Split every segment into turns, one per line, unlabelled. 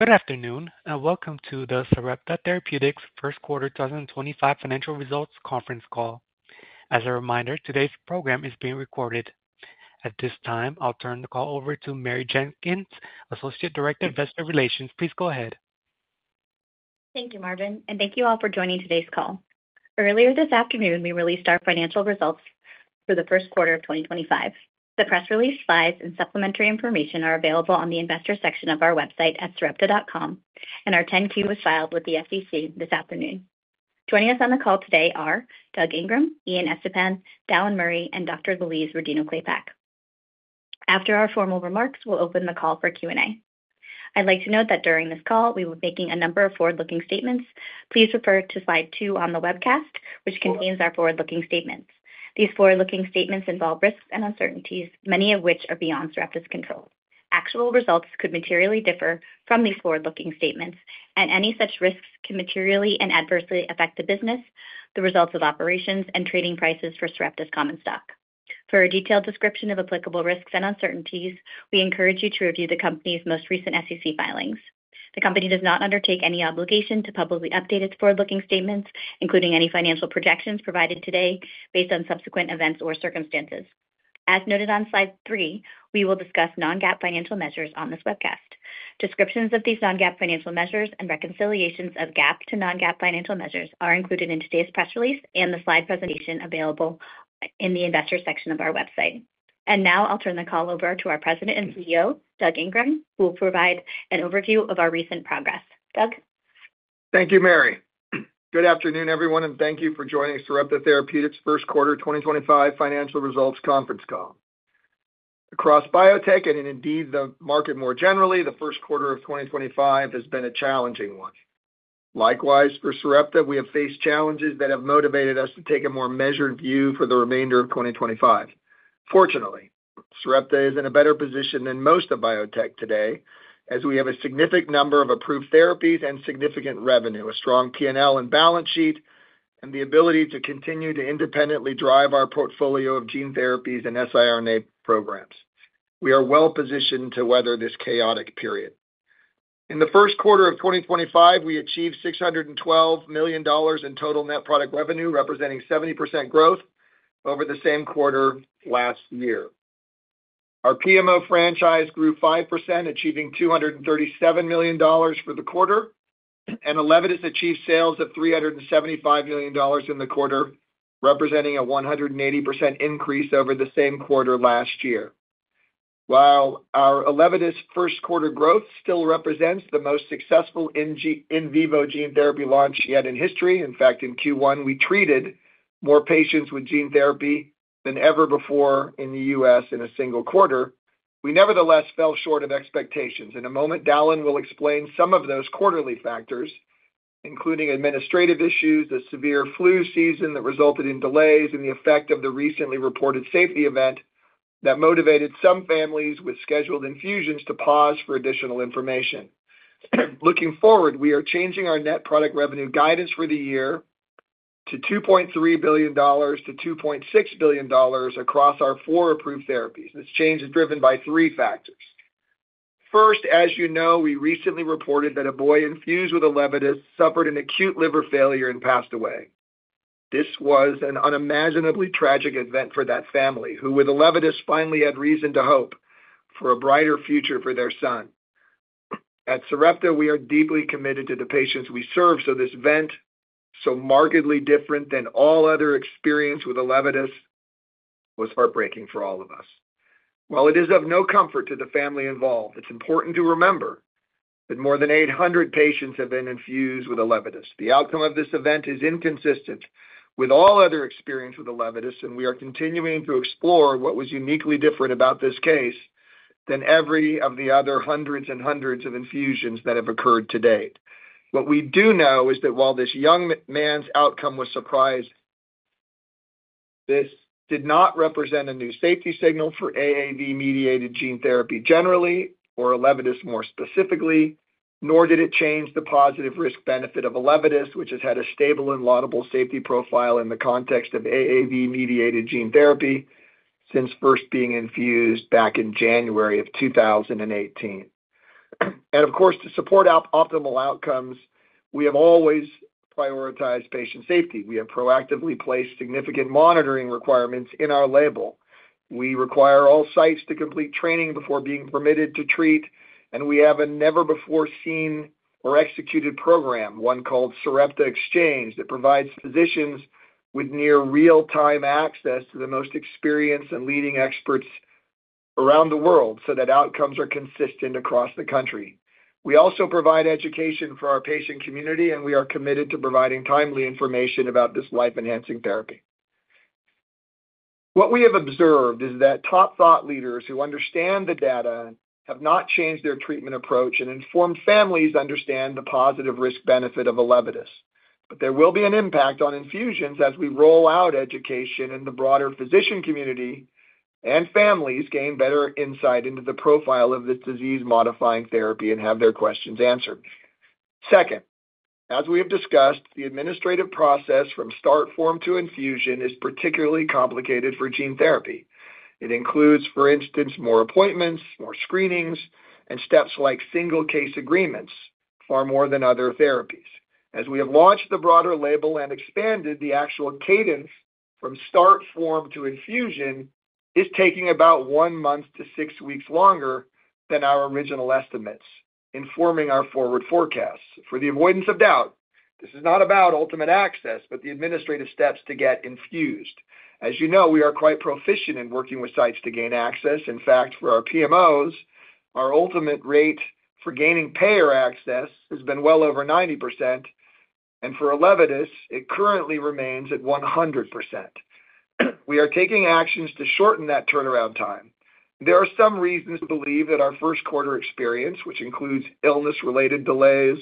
Good afternoon, and welcome to the Sarepta Therapeutics First Quarter 2025 Financial Results Conference Call. As a reminder, today's program is being recorded. At this time, I'll turn the call over to Mary Jenkins, Associate Director of Investor Relations. Please go ahead.
Thank you, Marvin, and thank you all for joining today's call. Earlier this afternoon, we released our financial results for the first quarter of 2025. The press release, slides, and supplementary information are available on the investor section of our website at sarepta.com, and our 10-Q was filed with the SEC this afternoon. Joining us on the call today are Doug Ingram, Ian Estepan, Dallan Murray, and Dr. Louise Rodino-Klapac. After our formal remarks, we'll open the call for Q&A. I'd like to note that during this call, we will be making a number of forward-looking statements. Please refer to slide two on the webcast, which contains our forward-looking statements. These forward-looking statements involve risks and uncertainties, many of which are beyond Sarepta's control. Actual results could materially differ from these forward-looking statements, and any such risks can materially and adversely affect the business, the results of operations, and trading prices for Sarepta's common stock. For a detailed description of applicable risks and uncertainties, we encourage you to review the company's most recent SEC filings. The company does not undertake any obligation to publicly update its forward-looking statements, including any financial projections provided today based on subsequent events or circumstances. As noted on slide three, we will discuss non-GAAP financial measures on this webcast. Descriptions of these non-GAAP financial measures and reconciliations of GAAP to non-GAAP financial measures are included in today's press release and the slide presentation available in the investor section of our website. I will now turn the call over to our President and CEO, Doug Ingram, who will provide an overview of our recent progress. Doug?
Thank you, Mary. Good afternoon, everyone, and thank you for joining Sarepta Therapeutics First Quarter 2025 Financial Results Conference Call. Across biotech and indeed the market more generally, the first quarter of 2025 has been a challenging one. Likewise, for Sarepta, we have faced challenges that have motivated us to take a more measured view for the remainder of 2025. Fortunately, Sarepta is in a better position than most of biotech today, as we have a significant number of approved therapies and significant revenue, a strong P&L and balance sheet, and the ability to continue to independently drive our portfolio of gene therapies and siRNA programs. We are well positioned to weather this chaotic period. In the first quarter of 2025, we achieved $612 million in total net product revenue, representing 70% growth over the same quarter last year. Our PMO franchise grew 5%, achieving $237 million for the quarter, and ELEVIDYS achieved sales of $375 million in the quarter, representing a 180% increase over the same quarter last year. While our ELEVIDYS first quarter growth still represents the most successful in vivo gene therapy launch yet in history, in fact, in Q1, we treated more patients with gene therapy than ever before in the U.S. in a single quarter, we nevertheless fell short of expectations. In a moment, Dallan will explain some of those quarterly factors, including administrative issues, the severe flu season that resulted in delays, and the effect of the recently reported safety event that motivated some families with scheduled infusions to pause for additional information. Looking forward, we are changing our net product revenue guidance for the year to $2.3 billion-$2.6 billion across our four approved therapies. This change is driven by three factors. First, as you know, we recently reported that a boy infused with ELEVIDYS suffered an acute liver failure and passed away. This was an unimaginably tragic event for that family, who with ELEVIDYS finally had reason to hope for a brighter future for their son. At Sarepta, we are deeply committed to the patients we serve, so this event, so markedly different than all other experience with ELEVIDYS, was heartbreaking for all of us. While it is of no comfort to the family involved, it's important to remember that more than 800 patients have been infused with ELEVIDYS. The outcome of this event is inconsistent with all other experience with ELEVIDYS, and we are continuing to explore what was uniquely different about this case than every of the other hundreds and hundreds of infusions that have occurred to date. What we do know is that while this young man's outcome was surprising, this did not represent a new safety signal for AAV-mediated gene therapy generally, or ELEVIDYS more specifically, nor did it change the positive risk-benefit of ELEVIDYS, which has had a stable and laudable safety profile in the context of AAV-mediated gene therapy since first being infused back in January of 2018. Of course, to support optimal outcomes, we have always prioritized patient safety. We have proactively placed significant monitoring requirements in our label. We require all sites to complete training before being permitted to treat, and we have a never-before-seen or executed program, one called Sarepta Exchange, that provides physicians with near real-time access to the most experienced and leading experts around the world so that outcomes are consistent across the country. We also provide education for our patient community, and we are committed to providing timely information about this life-enhancing therapy. What we have observed is that top thought leaders who understand the data have not changed their treatment approach and informed families understand the positive risk-benefit of ELEVIDYS. There will be an impact on infusions as we roll out education in the broader physician community and families gain better insight into the profile of this disease-modifying therapy and have their questions answered. Second, as we have discussed, the administrative process from start form to infusion is particularly complicated for gene therapy. It includes, for instance, more appointments, more screenings, and steps like single case agreements, far more than other therapies. As we have launched the broader label and expanded, the actual cadence from start form to infusion is taking about one month to six weeks longer than our original estimates, informing our forward forecasts. For the avoidance of doubt, this is not about ultimate access, but the administrative steps to get infused. As you know, we are quite proficient in working with sites to gain access. In fact, for our PMOs, our ultimate rate for gaining payer access has been well over 90%, and for ELEVIDYS, it currently remains at 100%. We are taking actions to shorten that turnaround time. There are some reasons to believe that our first quarter experience, which includes illness-related delays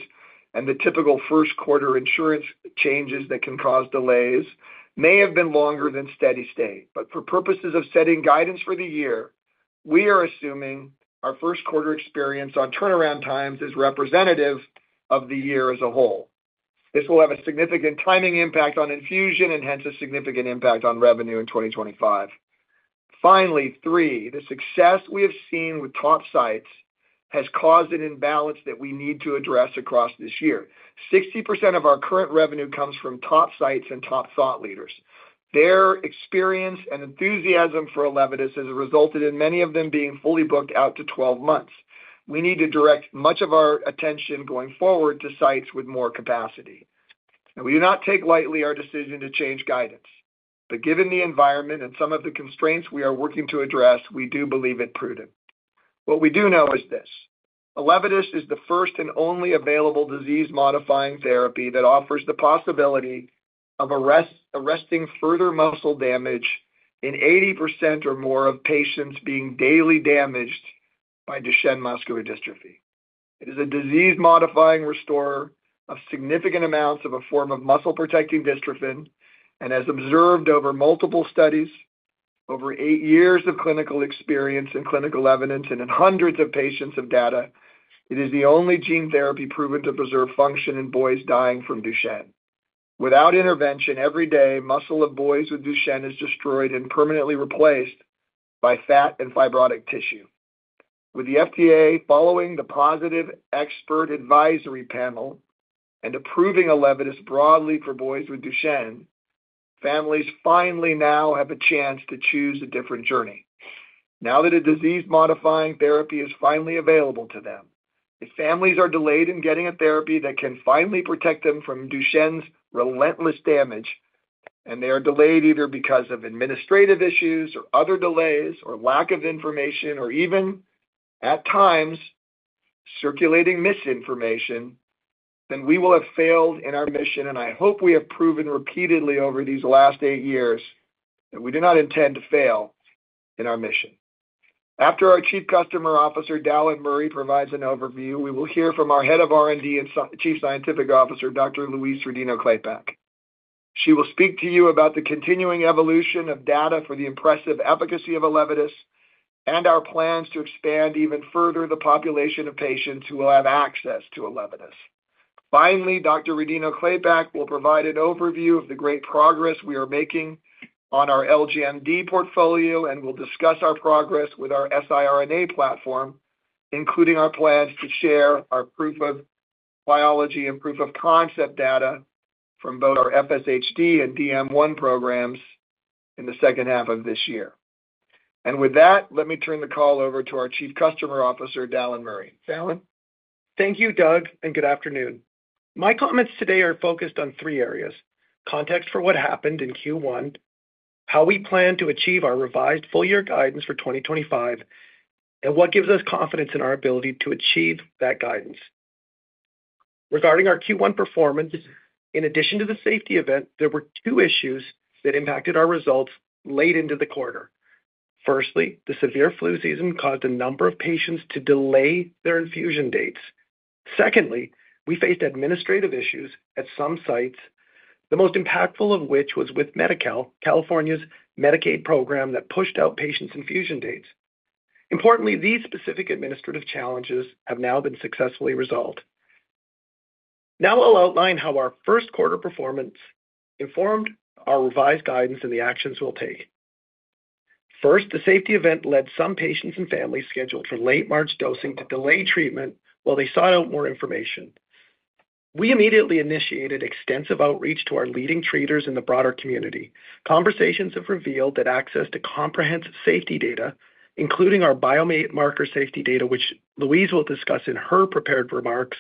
and the typical first quarter insurance changes that can cause delays, may have been longer than steady state. For purposes of setting guidance for the year, we are assuming our first quarter experience on turnaround times is representative of the year as a whole. This will have a significant timing impact on infusion and hence a significant impact on revenue in 2025. Finally, three, the success we have seen with top sites has caused an imbalance that we need to address across this year. 60% of our current revenue comes from top sites and top thought leaders. Their experience and enthusiasm for ELEVIDYS has resulted in many of them being fully booked out to 12 months. We need to direct much of our attention going forward to sites with more capacity. We do not take lightly our decision to change guidance. Given the environment and some of the constraints we are working to address, we do believe it prudent. What we do know is this: ELEVIDYS is the first and only available disease-modifying therapy that offers the possibility of arresting further muscle damage in 80% or more of patients being daily damaged by Duchenne muscular dystrophy. It is a disease-modifying restorer of significant amounts of a form of muscle-protecting dystrophin, and as observed over multiple studies, over eight years of clinical experience and clinical evidence, and in hundreds of patients of data, it is the only gene therapy proven to preserve function in boys dying from Duchenne. Without intervention, every day, muscle of boys with Duchenne is destroyed and permanently replaced by fat and fibrotic tissue. With the FDA following the positive expert advisory panel and approving ELEVIDYS broadly for boys with Duchenne, families finally now have a chance to choose a different journey. Now that a disease-modifying therapy is finally available to them, if families are delayed in getting a therapy that can finally protect them from Duchenne's relentless damage, and they are delayed either because of administrative issues or other delays or lack of information or even, at times, circulating misinformation, then we will have failed in our mission, and I hope we have proven repeatedly over these last eight years that we do not intend to fail in our mission. After our Chief Customer Officer, Dallan Murray, provides an overview, we will hear from our Head of R&D and Chief Scientific Officer, Dr. Louise Rodino-Klapac. She will speak to you about the continuing evolution of data for the impressive efficacy of ELEVIDYS and our plans to expand even further the population of patients who will have access to ELEVIDYS. Finally, Dr. Rodino-Klapac will provide an overview of the great progress we are making on our LGMD portfolio and will discuss our progress with our siRNA platform, including our plans to share our proof of biology and proof of concept data from both our FSHD and DM1 programs in the second half of this year. With that, let me turn the call over to our Chief Customer Officer, Dallan Murray. Dallan?
Thank you, Doug, and good afternoon. My comments today are focused on three areas: context for what happened in Q1, how we plan to achieve our revised full-year guidance for 2025, and what gives us confidence in our ability to achieve that guidance. Regarding our Q1 performance, in addition to the safety event, there were two issues that impacted our results late into the quarter. Firstly, the severe flu season caused a number of patients to delay their infusion dates. Secondly, we faced administrative issues at some sites, the most impactful of which was with Medi-Cal, California's Medicaid program that pushed out patients' infusion dates. Importantly, these specific administrative challenges have now been successfully resolved. Now I'll outline how our first quarter performance informed our revised guidance and the actions we'll take. First, the safety event led some patients and families scheduled for late March dosing to delay treatment while they sought out more information. We immediately initiated extensive outreach to our leading treaters in the broader community. Conversations have revealed that access to comprehensive safety data, including our biomarker safety data, which Louise will discuss in her prepared remarks,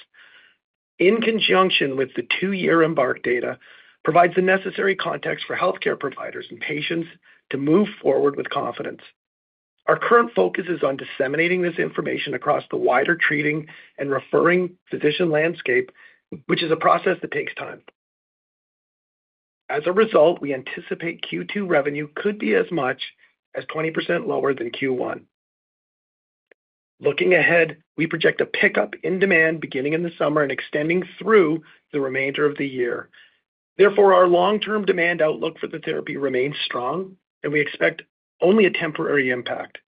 in conjunction with the two-year embark data, provides the necessary context for healthcare providers and patients to move forward with confidence. Our current focus is on disseminating this information across the wider treating and referring physician landscape, which is a process that takes time. As a result, we anticipate Q2 revenue could be as much as 20% lower than Q1. Looking ahead, we project a pickup in demand beginning in the summer and extending through the remainder of the year. Therefore, our long-term demand outlook for the therapy remains strong, and we expect only a temporary impact.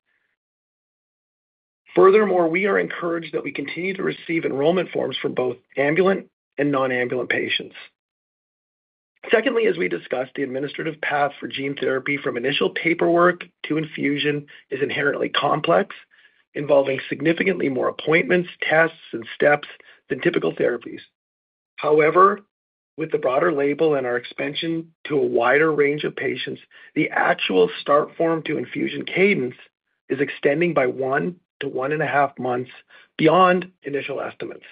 Furthermore, we are encouraged that we continue to receive enrollment forms for both ambulant and non-ambulant patients. Secondly, as we discussed, the administrative path for gene therapy from initial paperwork to infusion is inherently complex, involving significantly more appointments, tests, and steps than typical therapies. However, with the broader label and our expansion to a wider range of patients, the actual start form to infusion cadence is extending by one to 1.5 months beyond initial estimates.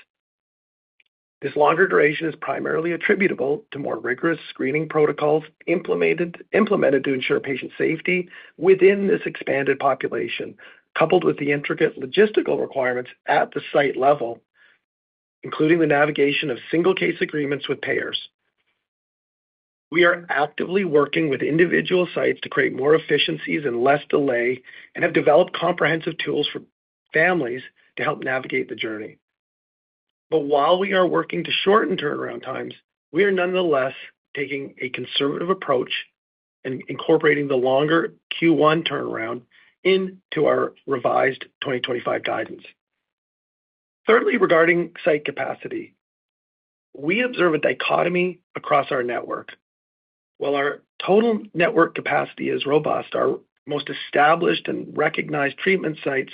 This longer duration is primarily attributable to more rigorous screening protocols implemented to ensure patient safety within this expanded population, coupled with the intricate logistical requirements at the site level, including the navigation of single case agreements with payers. We are actively working with individual sites to create more efficiencies and less delay and have developed comprehensive tools for families to help navigate the journey. While we are working to shorten turnaround times, we are nonetheless taking a conservative approach and incorporating the longer Q1 turnaround into our revised 2025 guidance. Thirdly, regarding site capacity, we observe a dichotomy across our network. While our total network capacity is robust, our most established and recognized treatment sites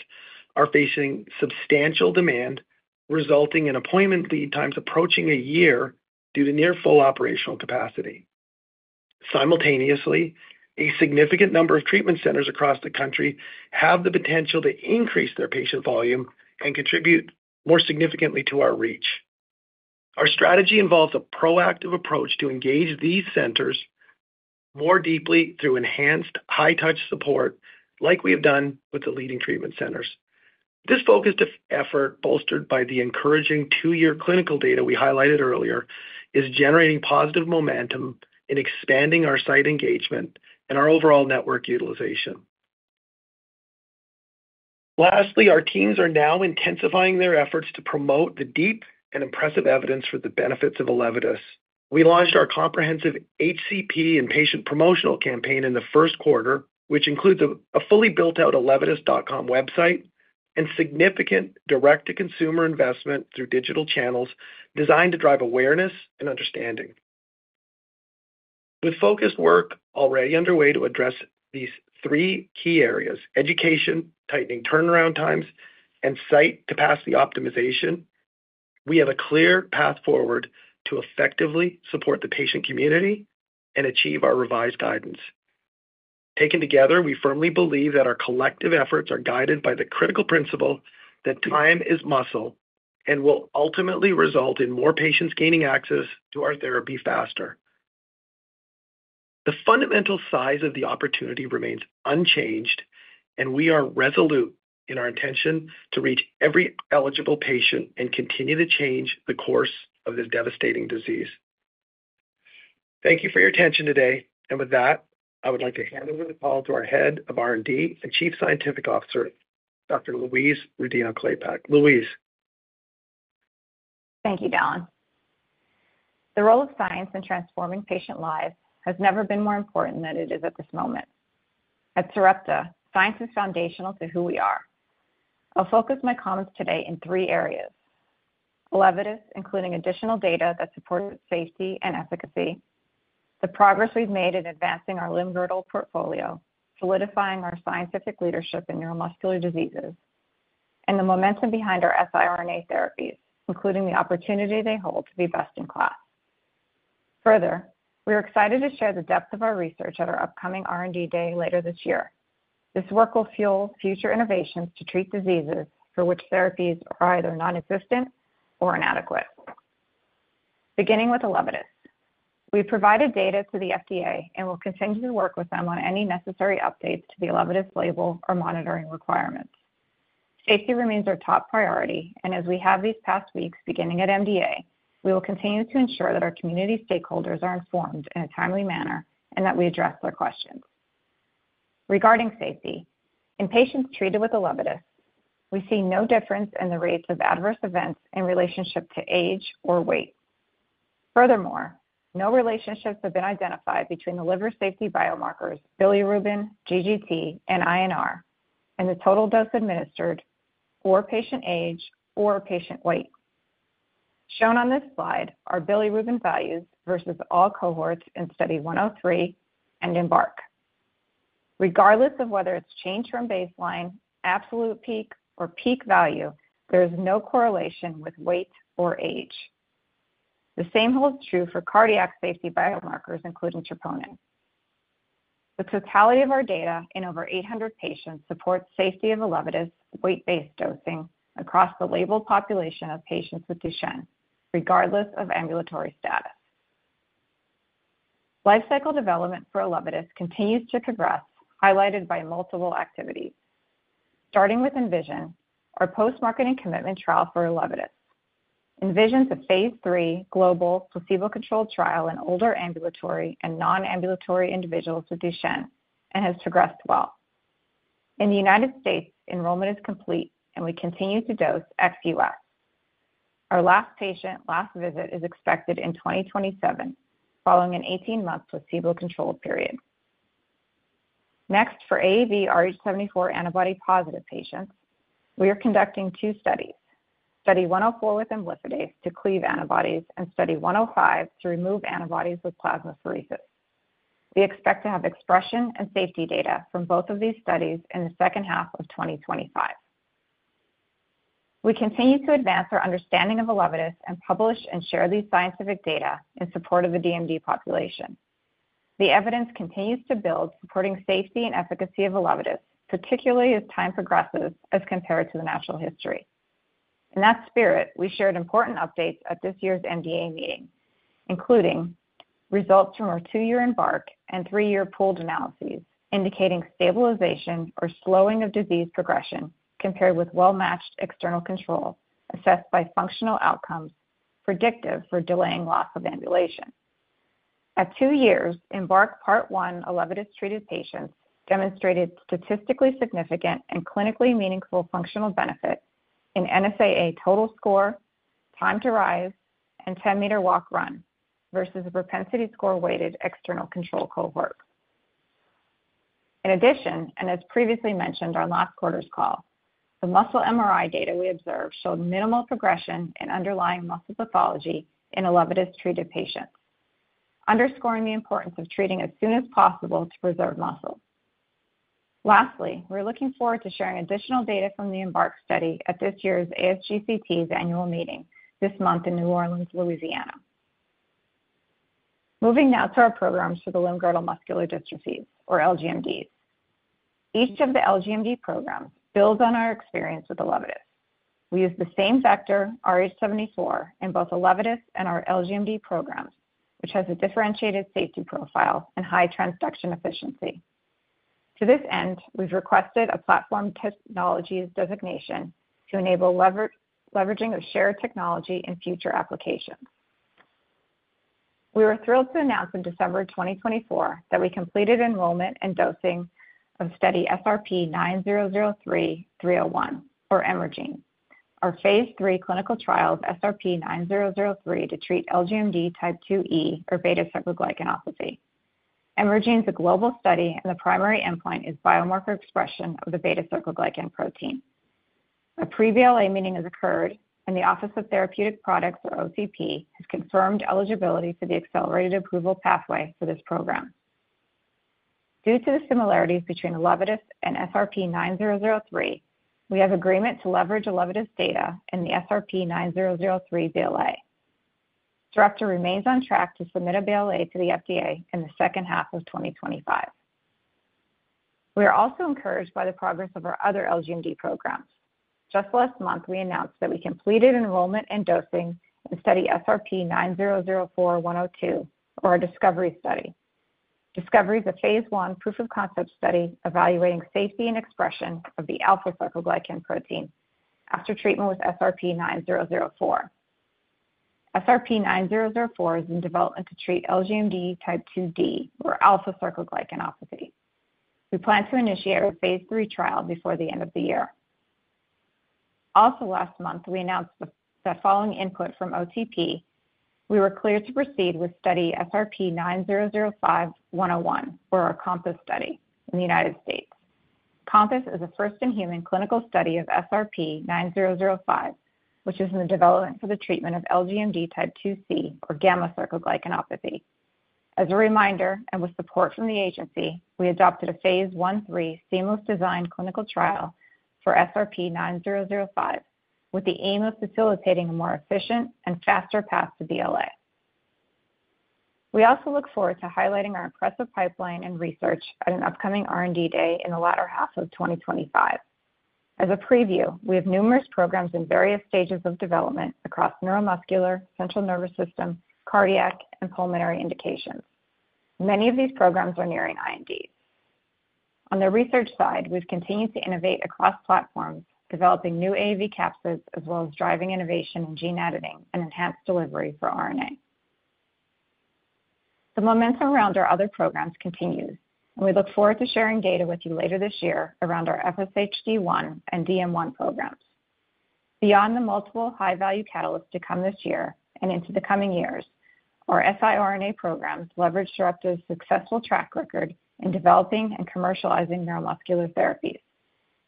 are facing substantial demand, resulting in appointment lead times approaching a year due to near full operational capacity. Simultaneously, a significant number of treatment centers across the country have the potential to increase their patient volume and contribute more significantly to our reach. Our strategy involves a proactive approach to engage these centers more deeply through enhanced high-touch support, like we have done with the leading treatment centers. This focused effort, bolstered by the encouraging two-year clinical data we highlighted earlier, is generating positive momentum in expanding our site engagement and our overall network utilization. Lastly, our teams are now intensifying their efforts to promote the deep and impressive evidence for the benefits of ELEVIDYS. We launched our comprehensive HCP and patient promotional campaign in the first quarter, which includes a fully built-out elevidys.com website and significant direct-to-consumer investment through digital channels designed to drive awareness and understanding. With focused work already underway to address these three key areas: education, tightening turnaround times, and site capacity optimization, we have a clear path forward to effectively support the patient community and achieve our revised guidance. Taken together, we firmly believe that our collective efforts are guided by the critical principle that time is muscle and will ultimately result in more patients gaining access to our therapy faster. The fundamental size of the opportunity remains unchanged, and we are resolute in our intention to reach every eligible patient and continue to change the course of this devastating disease. Thank you for your attention today. With that, I would like to hand over the call to our Head of R&D and Chief Scientific Officer, Dr. Louise Rodino-Klapac. Louise?
Thank you, Dallan. The role of science in transforming patient lives has never been more important than it is at this moment. At Sarepta, science is foundational to who we are. I'll focus my comments today in three areas: ELEVIDYS, including additional data that supports safety and efficacy; the progress we've made in advancing our limb-girdle portfolio; solidifying our scientific leadership in neuromuscular diseases; and the momentum behind our siRNA therapies, including the opportunity they hold to be best in class. Further, we are excited to share the depth of our research at our upcoming R&D day later this year. This work will fuel future innovations to treat diseases for which therapies are either nonexistent or inadequate. Beginning with ELEVIDYS, we've provided data to the FDA and will continue to work with them on any necessary updates to the ELEVIDYS label or monitoring requirements. Safety remains our top priority, and as we have these past weeks beginning at MDA, we will continue to ensure that our community stakeholders are informed in a timely manner and that we address their questions. Regarding safety, in patients treated with ELEVIDYS, we see no difference in the rates of adverse events in relationship to age or weight. Furthermore, no relationships have been identified between the liver safety biomarkers, bilirubin, GGT, and INR, and the total dose administered for patient age or patient weight. Shown on this slide are bilirubin values versus all cohorts in study 103 and EMBARK. Regardless of whether it's changed from baseline, absolute peak, or peak value, there is no correlation with weight or age. The same holds true for cardiac safety biomarkers, including troponin. The totality of our data in over 800 patients supports safety of ELEVIDYS weight-based dosing across the labeled population of patients with Duchenne, regardless of ambulatory status. Lifecycle development for ELEVIDYS continues to progress, highlighted by multiple activities. Starting with ENVISION, our post-marketing commitment trial for ELEVIDYS. ENVISION is a phase III global placebo-controlled trial in older ambulatory and non-ambulatory individuals with Duchenne and has progressed well. In the U.S., enrollment is complete, and we continue to dose ex-U.S. Our last patient, last visit, is expected in 2027, following an 18-month placebo-controlled period. Next, for AAV-rh74 antibody-positive patients, we are conducting two studies: study 104 with imlifidase to cleave antibodies and study 105 to remove antibodies with plasmapheresis. We expect to have expression and safety data from both of these studies in the second half of 2025. We continue to advance our understanding of ELEVIDYS and publish and share these scientific data in support of the DMD population. The evidence continues to build, supporting safety and efficacy of ELEVIDYS, particularly as time progresses as compared to the natural history. In that spirit, we shared important updates at this year's MDA meeting, including results from our two-year EMBARK and three-year pooled analyses indicating stabilization or slowing of disease progression compared with well-matched external control assessed by functional outcomes predictive for delaying loss of ambulation. At two years, EMBARK part one ELEVIDYS-treated patients demonstrated statistically significant and clinically meaningful functional benefit in NSAA total score, time to rise, and 10 m walk run versus a propensity score-weighted external control cohort. In addition, and as previously mentioned on last quarter's call, the muscle MRI data we observed showed minimal progression in underlying muscle pathology in ELEVIDYS-treated patients, underscoring the importance of treating as soon as possible to preserve muscle. Lastly, we're looking forward to sharing additional data from the EMBARK study at this year's ASGCT annual meeting this month in New Orleans, Louisiana. Moving now to our programs for the limb-girdle muscular dystrophies, or LGMDs. Each of the LGMD programs builds on our experience with ELEVIDYS. We use the same vector, rh74, in both ELEVIDYS and our LGMD programs, which has a differentiated safety profile and high transduction efficiency. To this end, we've requested a platform technology designation to enable leveraging of shared technology in future applications. We were thrilled to announce in December 2024 that we completed enrollment and dosing of study SRP-9003-301, or EMERGENE, our phase III clinical trial of SRP-9003 to treat LGMD type 2E or beta-sarcoglycanopathy. EMERGENE is a global study, and the primary endpoint is biomarker expression of the beta-sarcoglycan protein. A pre-BLA meeting has occurred, and the Office of Therapeutic Products, or OTP, has confirmed eligibility for the accelerated approval pathway for this program. Due to the similarities between ELEVIDYS and SRP-9003, we have agreement to leverage ELEVIDYS data in the SRP-9003 BLA. Sarepta remains on track to submit a BLA to the FDA in the second half of 2025. We are also encouraged by the progress of our other LGMD programs. Just last month, we announced that we completed enrollment and dosing in study SRP-9004-102, or our DISCOVERY study. DISCOVERY is a phase I proof of concept study evaluating safety and expression of the alpha-sarcoglycan protein after treatment with SRP-9004. SRP-9004 is in development to treat LGMD type 2D or alpha-sarcoglycanopathy. We plan to initiate our phase three trial before the end of the year. Also last month, we announced that following input from OTP, we were cleared to proceed with study SRP-9005-101, or our COMPASS study in the United States. COMPASS is a first-in-human clinical study of SRP-9005, which is in development for the treatment of LGMD type 2C or gamma-sarcoglycanopathy. As a reminder, and with support from the agency, we adopted a phase one three seamless design clinical trial for SRP-9005 with the aim of facilitating a more efficient and faster path to BLA. We also look forward to highlighting our impressive pipeline and research at an upcoming R&D day in the latter half of 2025. As a preview, we have numerous programs in various stages of development across neuromuscular, central nervous system, cardiac, and pulmonary indications. Many of these programs are nearing IND. On the research side, we've continued to innovate across platforms, developing new AAV capsids, as well as driving innovation in gene editing and enhanced delivery for RNA. The momentum around our other programs continues, and we look forward to sharing data with you later this year around our FSHD1 and DM1 programs. Beyond the multiple high-value catalysts to come this year and into the coming years, our siRNA programs leverage Sarepta's successful track record in developing and commercializing neuromuscular therapies.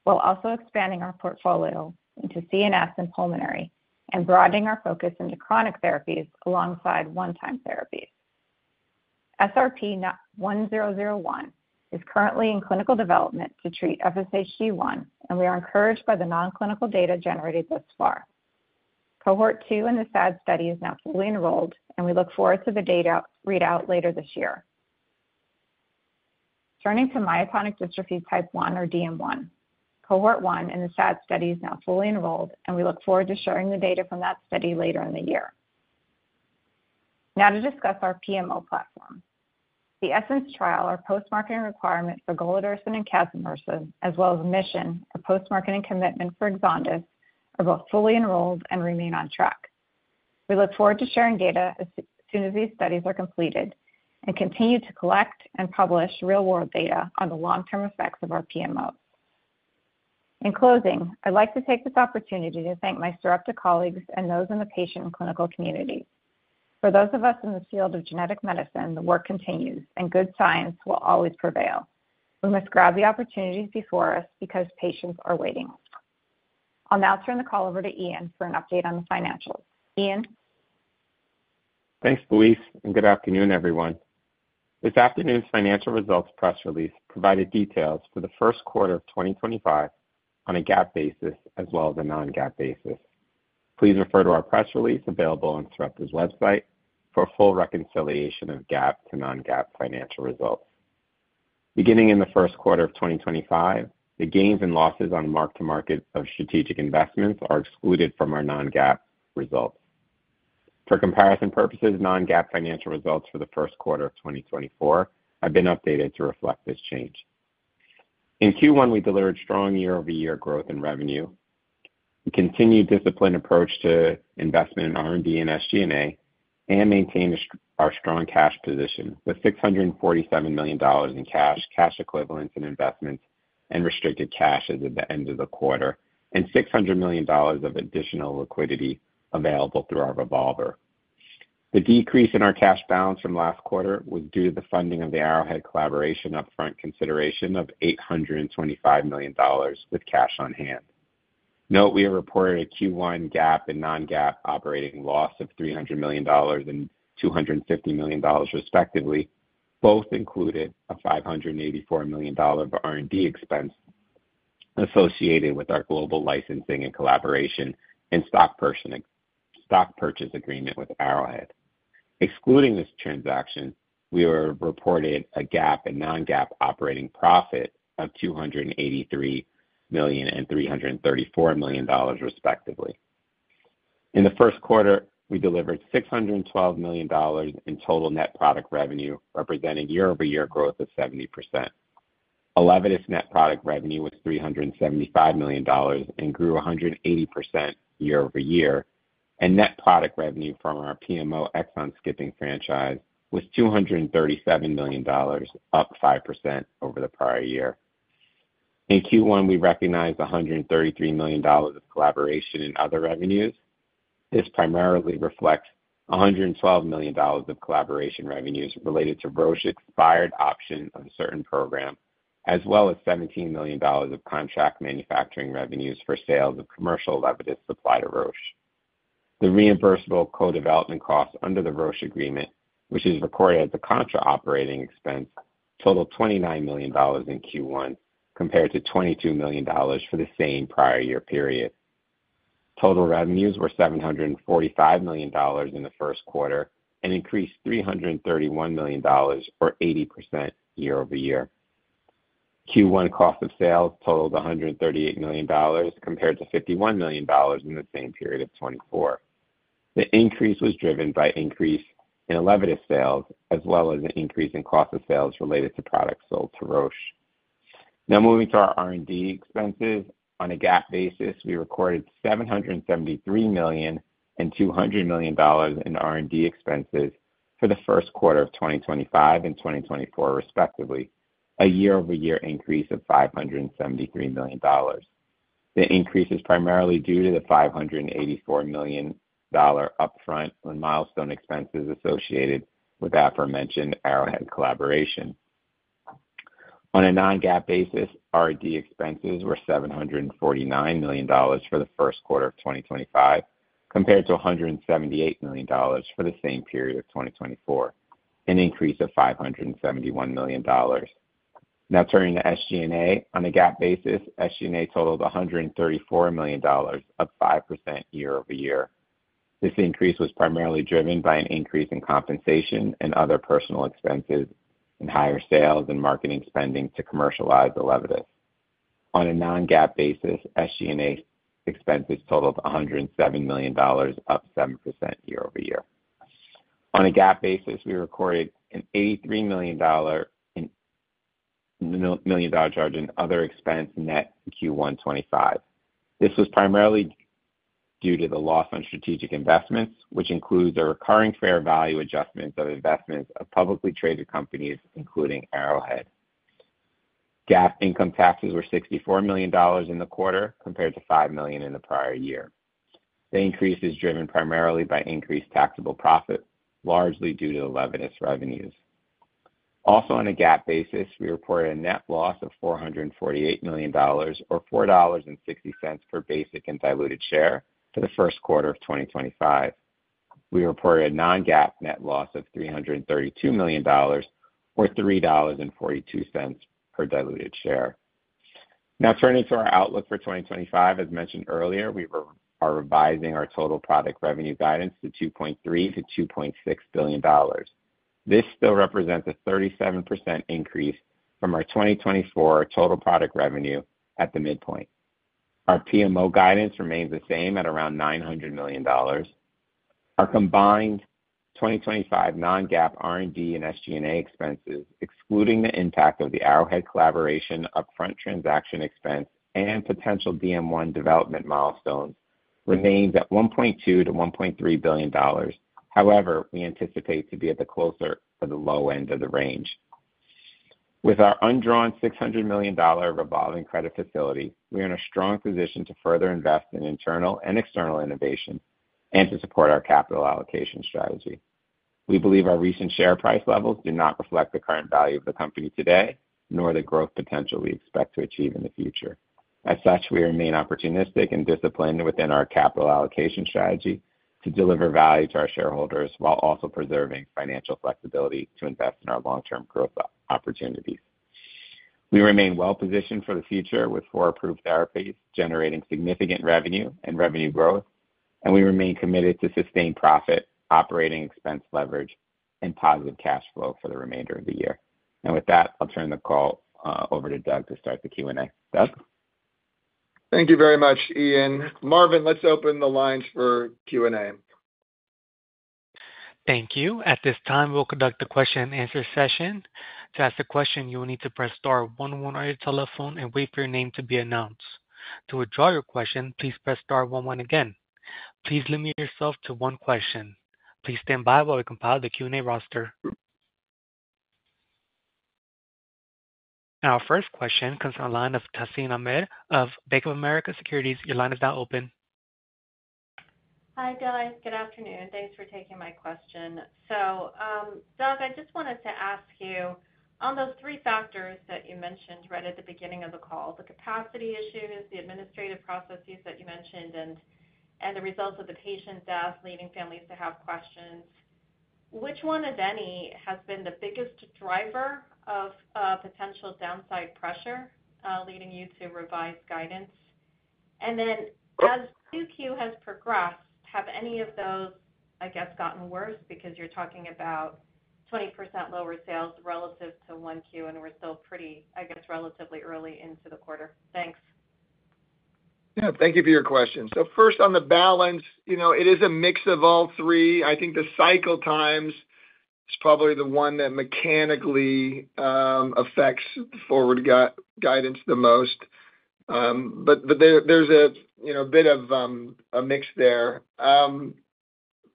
We're also expanding our portfolio into CNS and pulmonary and broadening our focus into chronic therapies alongside one-time therapies. SRP-1001 is currently in clinical development to treat FSHD1, and we are encouraged by the non-clinical data generated thus far. Cohort two in the SAD study is now fully enrolled, and we look forward to the data readout later this year. Turning to myotonic dystrophy type 1, or DM1, cohort one in the SAD study is now fully enrolled, and we look forward to sharing the data from that study later in the year. Now to discuss our PMO platform. The ESSENCE trial, our post-marketing requirement for golodirsen and casimersen, as well as Mission, our post-marketing commitment for EXONDYS, are both fully enrolled and remain on track. We look forward to sharing data as soon as these studies are completed and continue to collect and publish real-world data on the long-term effects of our PMOs. In closing, I'd like to take this opportunity to thank my Sarepta colleagues and those in the patient and clinical community. For those of us in the field of genetic medicine, the work continues, and good science will always prevail. We must grab the opportunities before us because patients are waiting. I'll now turn the call over to Ian for an update on the financials. Ian.
Thanks, Louise, and good afternoon, everyone. This afternoon's financial results press release provided details for the first quarter of 2025 on a GAAP basis as well as a non-GAAP basis. Please refer to our press release available on Sarepta's website for a full reconciliation of GAAP to non-GAAP financial results. Beginning in the first quarter of 2025, the gains and losses on mark-to-market of strategic investments are excluded from our non-GAAP results. For comparison purposes, non-GAAP financial results for the first quarter of 2024 have been updated to reflect this change. In Q1, we delivered strong year-over-year growth in revenue, a continued disciplined approach to investment in R&D and SG&A, and maintained our strong cash position with $647 million in cash, cash equivalents and investments, and restricted cash at the end of the quarter, and $600 million of additional liquidity available through our revolver. The decrease in our cash balance from last quarter was due to the funding of the Arrowhead collaboration upfront consideration of $825 million with cash on hand. Note, we have reported a Q1 GAAP and non-GAAP operating loss of $300 million and $250 million, respectively, both included a $584 million of R&D expense associated with our global licensing and collaboration and stock purchase agreement with Arrowhead. Excluding this transaction, we reported a GAAP and non-GAAP operating profit of $283 million and $334 million, respectively. In the first quarter, we delivered $612 million in total net product revenue, representing year-over-year growth of 70%. ELEVIDYS net product revenue was $375 million and grew 180% year-over-year, and net product revenue from our PMO exon-skipping franchise was $237 million, up 5% over the prior year. In Q1, we recognized $133 million of collaboration and other revenues. This primarily reflects $112 million of collaboration revenues related to Roche expired option of a certain program, as well as $17 million of contract manufacturing revenues for sales of commercial ELEVIDYS supply to Roche. The reimbursable co-development costs under the Roche agreement, which is recorded as a contra operating expense, totaled $29 million in Q1 compared to $22 million for the same prior year period. Total revenues were $745 million in the first quarter and increased $331 million, or 80% year-over-year. Q1 cost of sales totaled $138 million compared to $51 million in the same period of 2024. The increase was driven by increase in ELEVIDYS sales as well as an increase in cost of sales related to products sold to Roche. Now moving to our R&D expenses, on a GAAP basis, we recorded $773 million and $200 million in R&D expenses for the first quarter of 2025 and 2024, respectively, a year-over-year increase of $573 million. The increase is primarily due to the $584 million upfront and milestone expenses associated with the aforementioned Arrowhead collaboration. On a non-GAAP basis, R&D expenses were $749 million for the first quarter of 2025 compared to $178 million for the same period of 2024, an increase of $571 million. Now turning to SG&A, on a GAAP basis, SG&A totaled $134 million, up 5% year-over-year. This increase was primarily driven by an increase in compensation and other personnel expenses and higher sales and marketing spending to commercialize ELEVIDYS. On a non-GAAP basis, SG&A expenses totaled $107 million, up 7% year-over-year. On a GAAP basis, we recorded an $83 million charge in other expense, net, in Q1 2025. This was primarily due to the loss on strategic investments, which includes a recurring fair value adjustment of investments of publicly traded companies, including Arrowhead. GAAP income taxes were $64 million in the quarter compared to $5 million in the prior year. The increase is driven primarily by increased taxable profit, largely due to ELEVIDYS revenues. Also, on a GAAP basis, we reported a net loss of $448 million, or $4.60 per basic and diluted share for the first quarter of 2025. We reported a non-GAAP net loss of $332 million, or $3.42 per diluted share. Now turning to our outlook for 2025, as mentioned earlier, we are revising our total product revenue guidance to $2.3 billion-$2.6 billion. This still represents a 37% increase from our 2024 total product revenue at the midpoint. Our PMO guidance remains the same at around $900 million. Our combined 2025 non-GAAP R&D and SG&A expenses, excluding the impact of the Arrowhead Collaboration upfront transaction expense and potential DM1 development milestones, remains at $1.2 billion-$1.3 billion. However, we anticipate to be at the closer to the low end of the range. With our undrawn $600 million revolving credit facility, we are in a strong position to further invest in internal and external innovation and to support our capital allocation strategy. We believe our recent share price levels do not reflect the current value of the company today, nor the growth potential we expect to achieve in the future. As such, we remain opportunistic and disciplined within our capital allocation strategy to deliver value to our shareholders while also preserving financial flexibility to invest in our long-term growth opportunities. We remain well-positioned for the future with four approved therapies generating significant revenue and revenue growth, and we remain committed to sustained profit, operating expense leverage, and positive cash flow for the remainder of the year. With that, I'll turn the call over to Doug to start the Q&A. Doug?
Thank you very much, Ian. Marvin, let's open the lines for Q&A.
Thank you. At this time, we'll conduct the question-and-answer session. To ask a question, you will need to press star one one on your telephone and wait for your name to be announced. To withdraw your question, please press star one one again. Please limit yourself to one question. Please stand by while we compile the Q&A roster. Our first question comes from Tazeen Ahmad of Bank of America Securities. Tazeen, is that open?
Hi, guys. Good afternoon. Thanks for taking my question. Doug, I just wanted to ask you, on those three factors that you mentioned right at the beginning of the call, the capacity issues, the administrative processes that you mentioned, and the results of the patient death leading families to have questions, which one, if any, has been the biggest driver of potential downside pressure leading you to revise guidance? As Q2 has progressed, have any of those, I guess, gotten worse because you're talking about 20% lower sales relative to 1Q, and we're still pretty, I guess, relatively early into the quarter? Thanks.
Yeah, thank you for your question. First, on the balance, you know it is a mix of all three. I think the cycle times is probably the one that mechanically affects forward guidance the most. There is a bit of a mix there.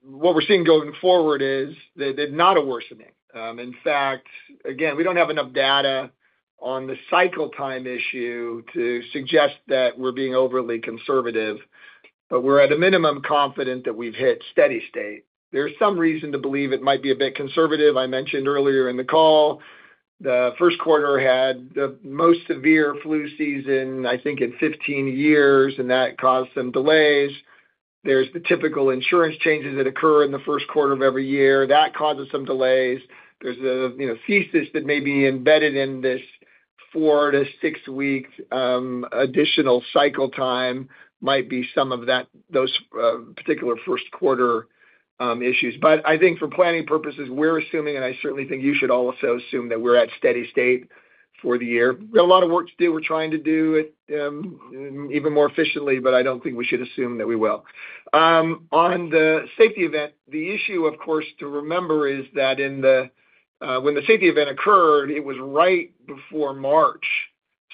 What we are seeing going forward is not a worsening. In fact, again, we do not have enough data on the cycle time issue to suggest that we are being overly conservative, but we are at a minimum confident that we have hit steady state. There is some reason to believe it might be a bit conservative. I mentioned earlier in the call, the first quarter had the most severe flu season, I think, in 15 years, and that caused some delays. There are the typical insurance changes that occur in the first quarter of every year. That causes some delays. There's a thesis that may be embedded in this four to six-week additional cycle time might be some of those particular first quarter issues. I think for planning purposes, we're assuming, and I certainly think you should also assume that we're at steady state for the year. We've got a lot of work to do. We're trying to do it even more efficiently, but I don't think we should assume that we will. On the safety event, the issue, of course, to remember is that when the safety event occurred, it was right before March,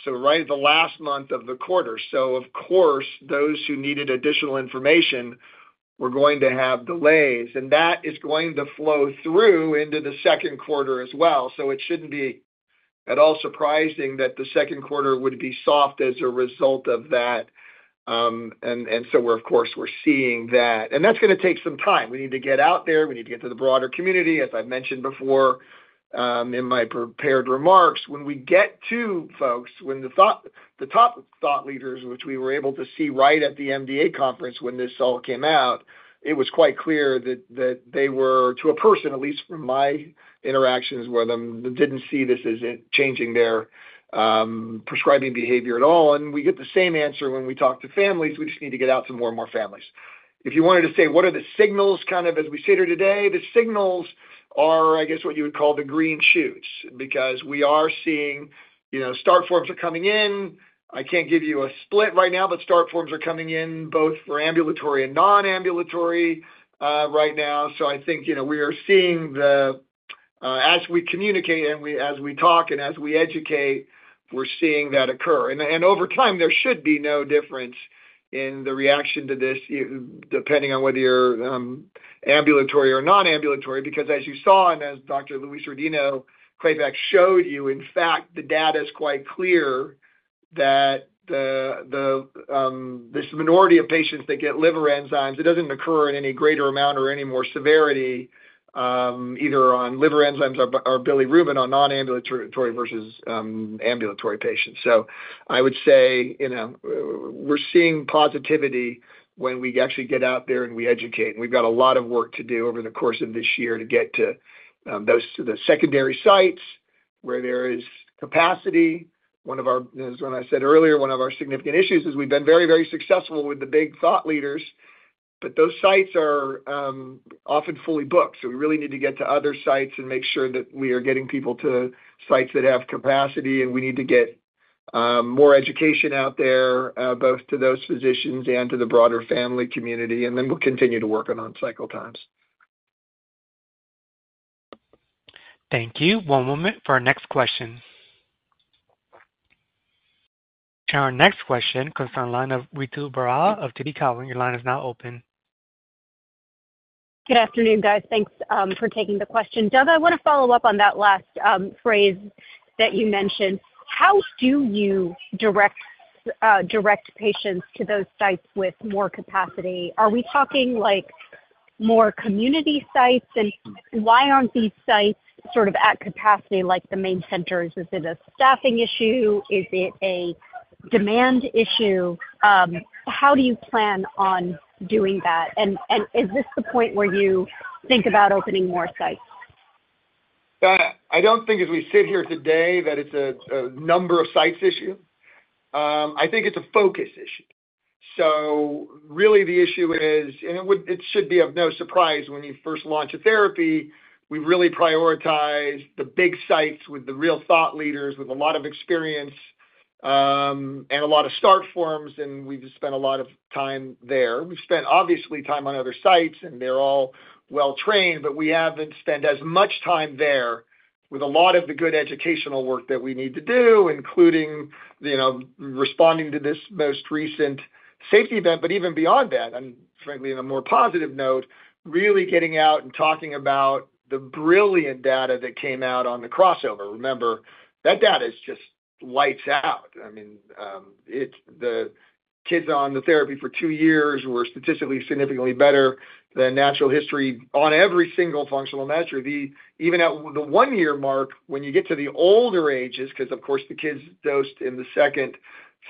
right at the last month of the quarter. Of course, those who needed additional information were going to have delays, and that is going to flow through into the second quarter as well. It shouldn't be at all surprising that the second quarter would be soft as a result of that. We're, of course, seeing that. That's going to take some time. We need to get out there. We need to get to the broader community, as I mentioned before in my prepared remarks. When we get to folks, when the top thought leaders, which we were able to see right at the MDA conference when this all came out, it was quite clear that they were, to a person, at least from my interactions with them, did not see this as changing their prescribing behavior at all. We get the same answer when we talk to families. We just need to get out to more and more families. If you wanted to say, what are the signals kind of as we sit here today? The signals are, I guess, what you would call the green shoots because we are seeing start forms are coming in. I can't give you a split right now, but start forms are coming in both for ambulatory and non-ambulatory right now. I think we are seeing the, as we communicate and as we talk and as we educate, we're seeing that occur. Over time, there should be no difference in the reaction to this depending on whether you're ambulatory or non-ambulatory because, as you saw and as Dr. Louise Rodino-Klapac showed you, in fact, the data is quite clear that this minority of patients that get liver enzymes, it doesn't occur in any greater amount or any more severity either on liver enzymes or bilirubin on non-ambulatory versus ambulatory patients. I would say we're seeing positivity when we actually get out there and we educate. We have got a lot of work to do over the course of this year to get to the secondary sites where there is capacity. One of our, as I said earlier, one of our significant issues is we have been very, very successful with the big thought leaders, but those sites are often fully booked. We really need to get to other sites and make sure that we are getting people to sites that have capacity. We need to get more education out there, both to those physicians and to the broader family community. We will continue to work on cycle times.
Thank you. One moment for our next question. Our next question comes from Ritu Baral of TD Cowen. Your line is now open.
Good afternoon, guys. Thanks for taking the question. Doug, I want to follow up on that last phrase that you mentioned. How do you direct patients to those sites with more capacity? Are we talking more community sites? Why aren't these sites sort of at capacity like the main centers? Is it a staffing issue? Is it a demand issue? How do you plan on doing that? Is this the point where you think about opening more sites?
I don't think, as we sit here today, that it's a number of sites issue. I think it's a focus issue. Really, the issue is, and it should be of no surprise when you first launch a therapy, we really prioritize the big sites with the real thought leaders with a lot of experience and a lot of start forms. We've spent a lot of time there. We've spent, obviously, time on other sites, and they're all well-trained, but we haven't spent as much time there with a lot of the good educational work that we need to do, including responding to this most recent safety event. Even beyond that, and frankly, on a more positive note, really getting out and talking about the brilliant data that came out on the crossover. Remember, that data just lights out. I mean, the kids on the therapy for two years were statistically significantly better than natural history on every single functional measure. Even at the one-year mark, when you get to the older ages, because, of course, the kids dosed in the second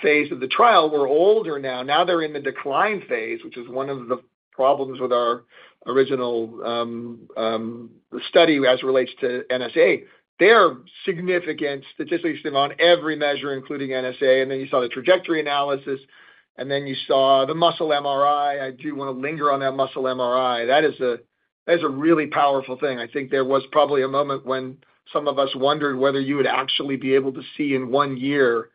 phase of the trial were older now, now they're in the decline phase, which is one of the problems with our original study as it relates to NSA. They are significant statistically on every measure, including NSA. You saw the trajectory analysis, and you saw the muscle MRI. I do want to linger on that muscle MRI. That is a really powerful thing. I think there was probably a moment when some of us wondered whether you would actually be able to see in one year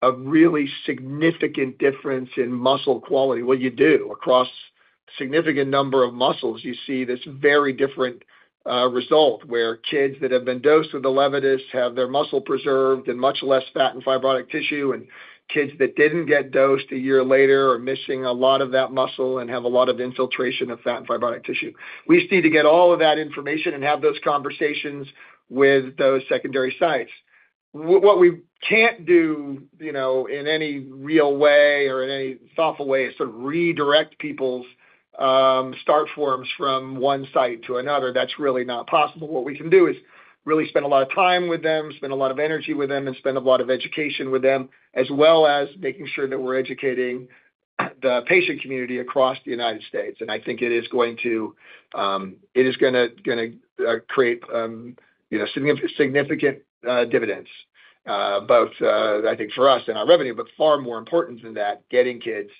a really significant difference in muscle quality. What you do across a significant number of muscles, you see this very different result where kids that have been dosed with ELEVIDYS have their muscle preserved and much less fat and fibrotic tissue, and kids that did not get dosed a year later are missing a lot of that muscle and have a lot of infiltration of fat and fibrotic tissue. We just need to get all of that information and have those conversations with those secondary sites. What we cannot do in any real way or in any thoughtful way is to redirect people's start forms from one site to another. That is really not possible. What we can do is really spend a lot of time with them, spend a lot of energy with them, and spend a lot of education with them, as well as making sure that we are educating the patient community across the United States. I think it is going to, it is going to create significant dividends, both, I think, for us and our revenue, but far more important than that, getting kids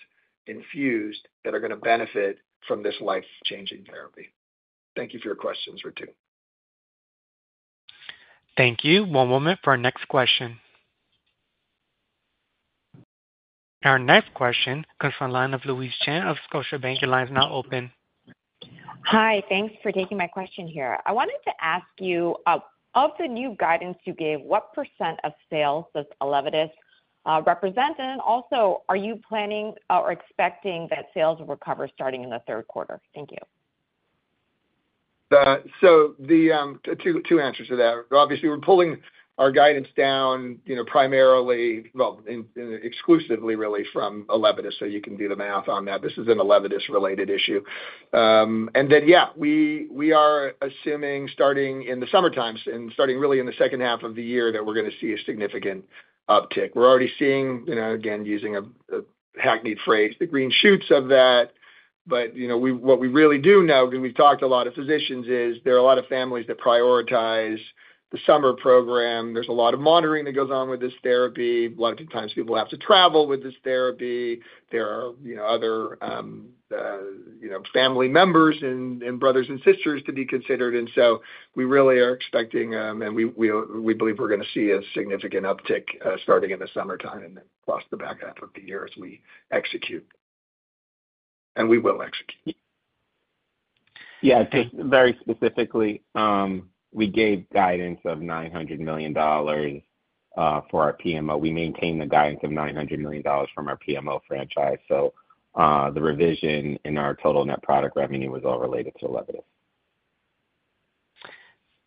infused that are going to benefit from this life-changing therapy. Thank you for your questions, Ritu.
Thank you. One moment for our next question. Our next question comes from Louise Chen of Scotiabank. Your line is now open.
Hi. Thanks for taking my question here. I wanted to ask you, of the new guidance you gave, what percent of sales does ELEVIDYS represent? Also, are you planning or expecting that sales will recover starting in the third quarter? Thank you.
Two answers to that. Obviously, we're pulling our guidance down primarily, well, exclusively, really, from ELEVIDYS, so you can do the math on that. This is an ELEVIDYS-related issue. Yeah, we are assuming starting in the summertime and starting really in the second half of the year that we're going to see a significant uptick. We're already seeing, again, using a hackneyed phrase, the green shoots of that. What we really do know, because we've talked to a lot of physicians, is there are a lot of families that prioritize the summer program. There's a lot of monitoring that goes on with this therapy. A lot of times, people have to travel with this therapy. There are other family members and brothers and sisters to be considered. We really are expecting, and we believe we're going to see a significant uptick starting in the summertime and then across the back half of the year as we execute, and we will execute.
Yeah. Very specifically, we gave guidance of $900 million for our PMO. We maintain the guidance of $900 million from our PMO franchise. So the revision in our total net product revenue was all related to ELEVIDYS.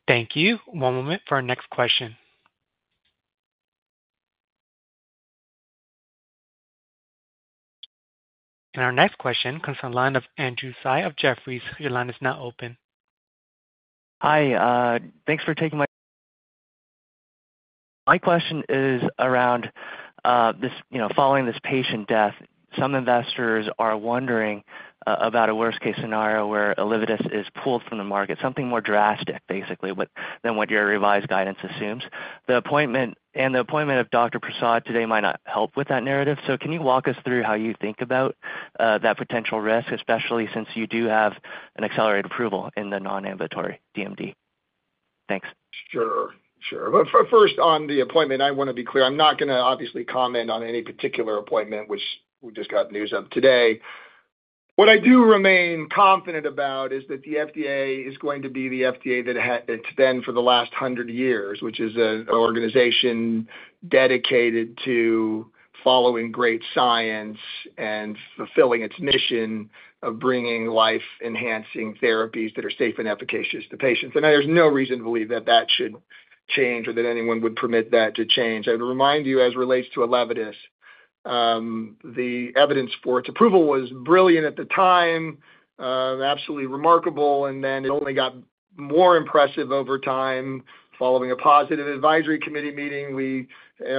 Thank you. One moment for our next question. Our next question comes from Andrew Tsai of Jefferies. Your line is now open.
Hi. Thanks for taking my question. My question is around following this patient death, some investors are wondering about a worst-case scenario where ELEVIDYS is pulled from the market, something more drastic, basically, than what your revised guidance assumes. The appointment of Dr. Prasad today might not help with that narrative. Can you walk us through how you think about that potential risk, especially since you do have an accelerated approval in the non-ambulatory DMD? Thanks.
Sure. Sure. First, on the appointment, I want to be clear. I'm not going to obviously comment on any particular appointment, which we just got news of today. What I do remain confident about is that the FDA is going to be the FDA that it's been for the last 100 years, which is an organization dedicated to following great science and fulfilling its mission of bringing life-enhancing therapies that are safe and efficacious to patients. There's no reason to believe that that should change or that anyone would permit that to change. I would remind you, as it relates to ELEVIDYS, the evidence for its approval was brilliant at the time, absolutely remarkable. It only got more impressive over time. Following a positive advisory committee meeting, we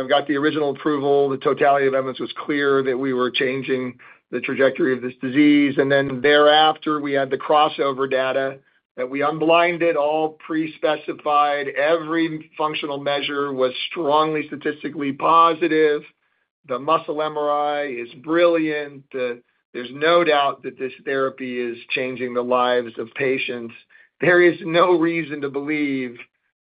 got the original approval. The totality of evidence was clear that we were changing the trajectory of this disease. Thereafter, we had the crossover data that we unblinded all pre-specified. Every functional measure was strongly statistically positive. The muscle MRI is brilliant. There is no doubt that this therapy is changing the lives of patients. There is no reason to believe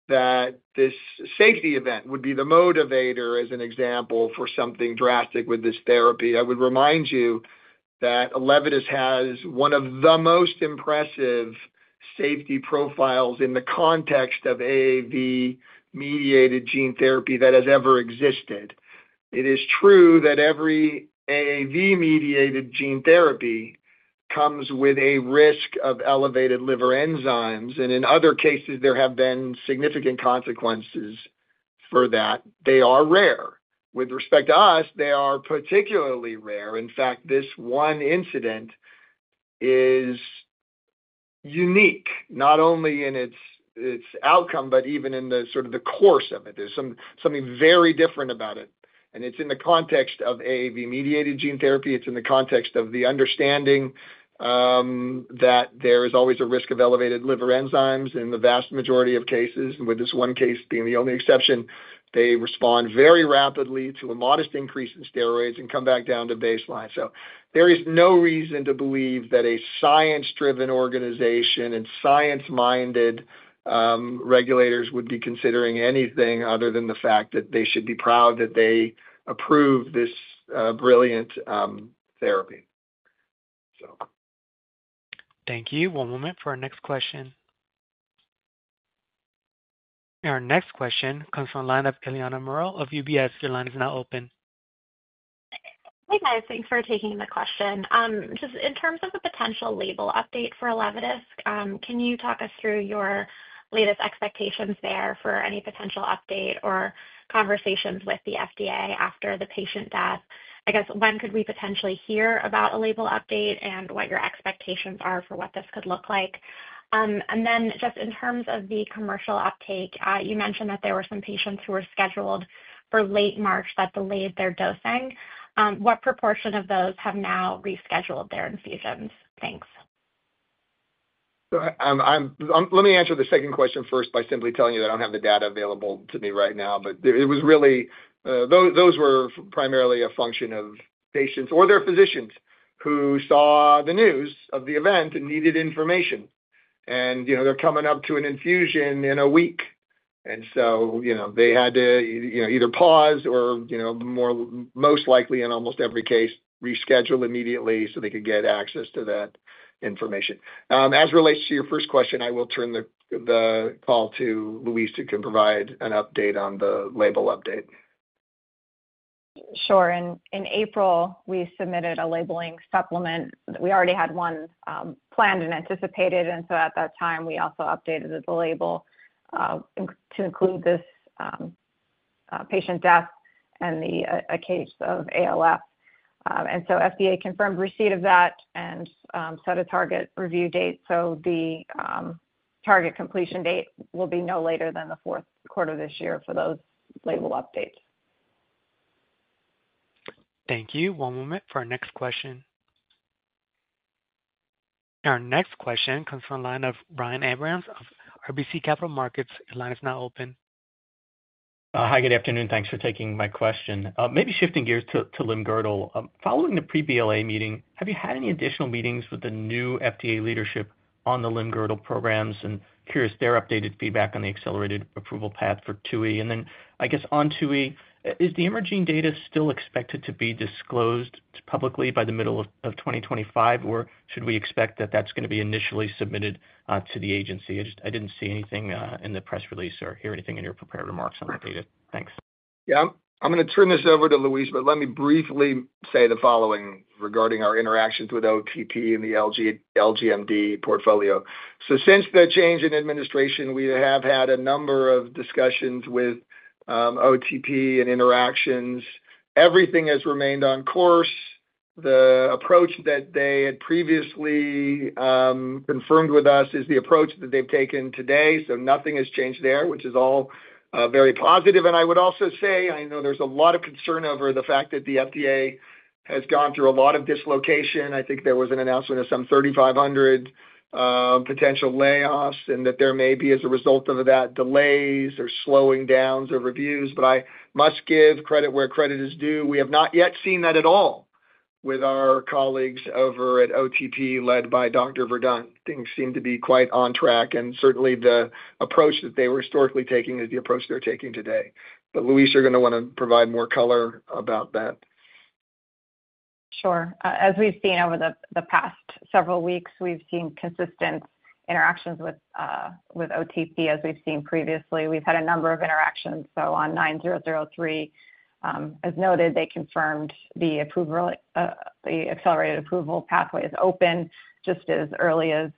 that this safety event would be the motivator, as an example, for something drastic with this therapy. I would remind you that ELEVIDYS has one of the most impressive safety profiles in the context of AAV-mediated gene therapy that has ever existed. It is true that every AAV-mediated gene therapy comes with a risk of elevated liver enzymes. In other cases, there have been significant consequences for that. They are rare. With respect to us, they are particularly rare. In fact, this one incident is unique, not only in its outcome, but even in the sort of the course of it. There is something very different about it. It is in the context of AAV-mediated gene therapy. It is in the context of the understanding that there is always a risk of elevated liver enzymes in the vast majority of cases. With this one case being the only exception, they respond very rapidly to a modest increase in steroids and come back down to baseline. There is no reason to believe that a science-driven organization and science-minded regulators would be considering anything other than the fact that they should be proud that they approved this brilliant therapy.
Thank you. One moment for our next question. Our next question comes from the line of Eliana Merle of UBS. Your line is now open.
Hey, guys. Thanks for taking the question. Just in terms of the potential label update for ELEVIDYS, can you talk us through your latest expectations there for any potential update or conversations with the FDA after the patient death? I guess, when could we potentially hear about a label update and what your expectations are for what this could look like? Just in terms of the commercial uptake, you mentioned that there were some patients who were scheduled for late March that delayed their dosing. What proportion of those have now rescheduled their infusions? Thanks.
Let me answer the second question first by simply telling you that I do not have the data available to me right now. It was really, those were primarily a function of patients or their physicians who saw the news of the event and needed information. They are coming up to an infusion in a week, and they had to either pause or, most likely, in almost every case, reschedule immediately so they could get access to that information. As it relates to your first question, I will turn the call to Louise who can provide an update on the label update.
Sure. In April, we submitted a labeling supplement. We already had one planned and anticipated. At that time, we also updated the label to include this patient death and the case of ALF. FDA confirmed receipt of that and set a target review date. The target completion date will be no later than the fourth quarter of this year for those label updates.
Thank you. One moment for our next question. Our next question comes from Brian Abrahams of RBC Capital Markets. Your line is now open.
Hi, good afternoon. Thanks for taking my question. Maybe shifting gears to limb-girdle. Following the pre-BLA meeting, have you had any additional meetings with the new FDA leadership on the limb-girdle programs? I am curious about their updated feedback on the accelerated approval path for 2E. On 2E, is the emerging data still expected to be disclosed publicly by the middle of 2025, or should we expect that is going to be initially submitted to the agency? I did not see anything in the press release or hear anything in your prepared remarks on the data. Thanks.
Yeah. I'm going to turn this over to Louise, but let me briefly say the following regarding our interactions with OTP and the LGMD portfolio. Since the change in administration, we have had a number of discussions with OTP and interactions. Everything has remained on course. The approach that they had previously confirmed with us is the approach that they've taken today. Nothing has changed there, which is all very positive. I would also say, I know there's a lot of concern over the fact that the FDA has gone through a lot of dislocation. I think there was an announcement of some 3,500 potential layoffs and that there may be, as a result of that, delays or slowing downs of reviews. I must give credit where credit is due. We have not yet seen that at all with our colleagues over at OTP led by Dr. Verdun. Things seem to be quite on track. Certainly, the approach that they were historically taking is the approach they're taking today. Louise, are going to want to provide more color about that.
Sure. As we've seen over the past several weeks, we've seen consistent interactions with OTP as we've seen previously. We've had a number of interactions. On 9003, as noted, they confirmed the accelerated approval pathway is open just as early as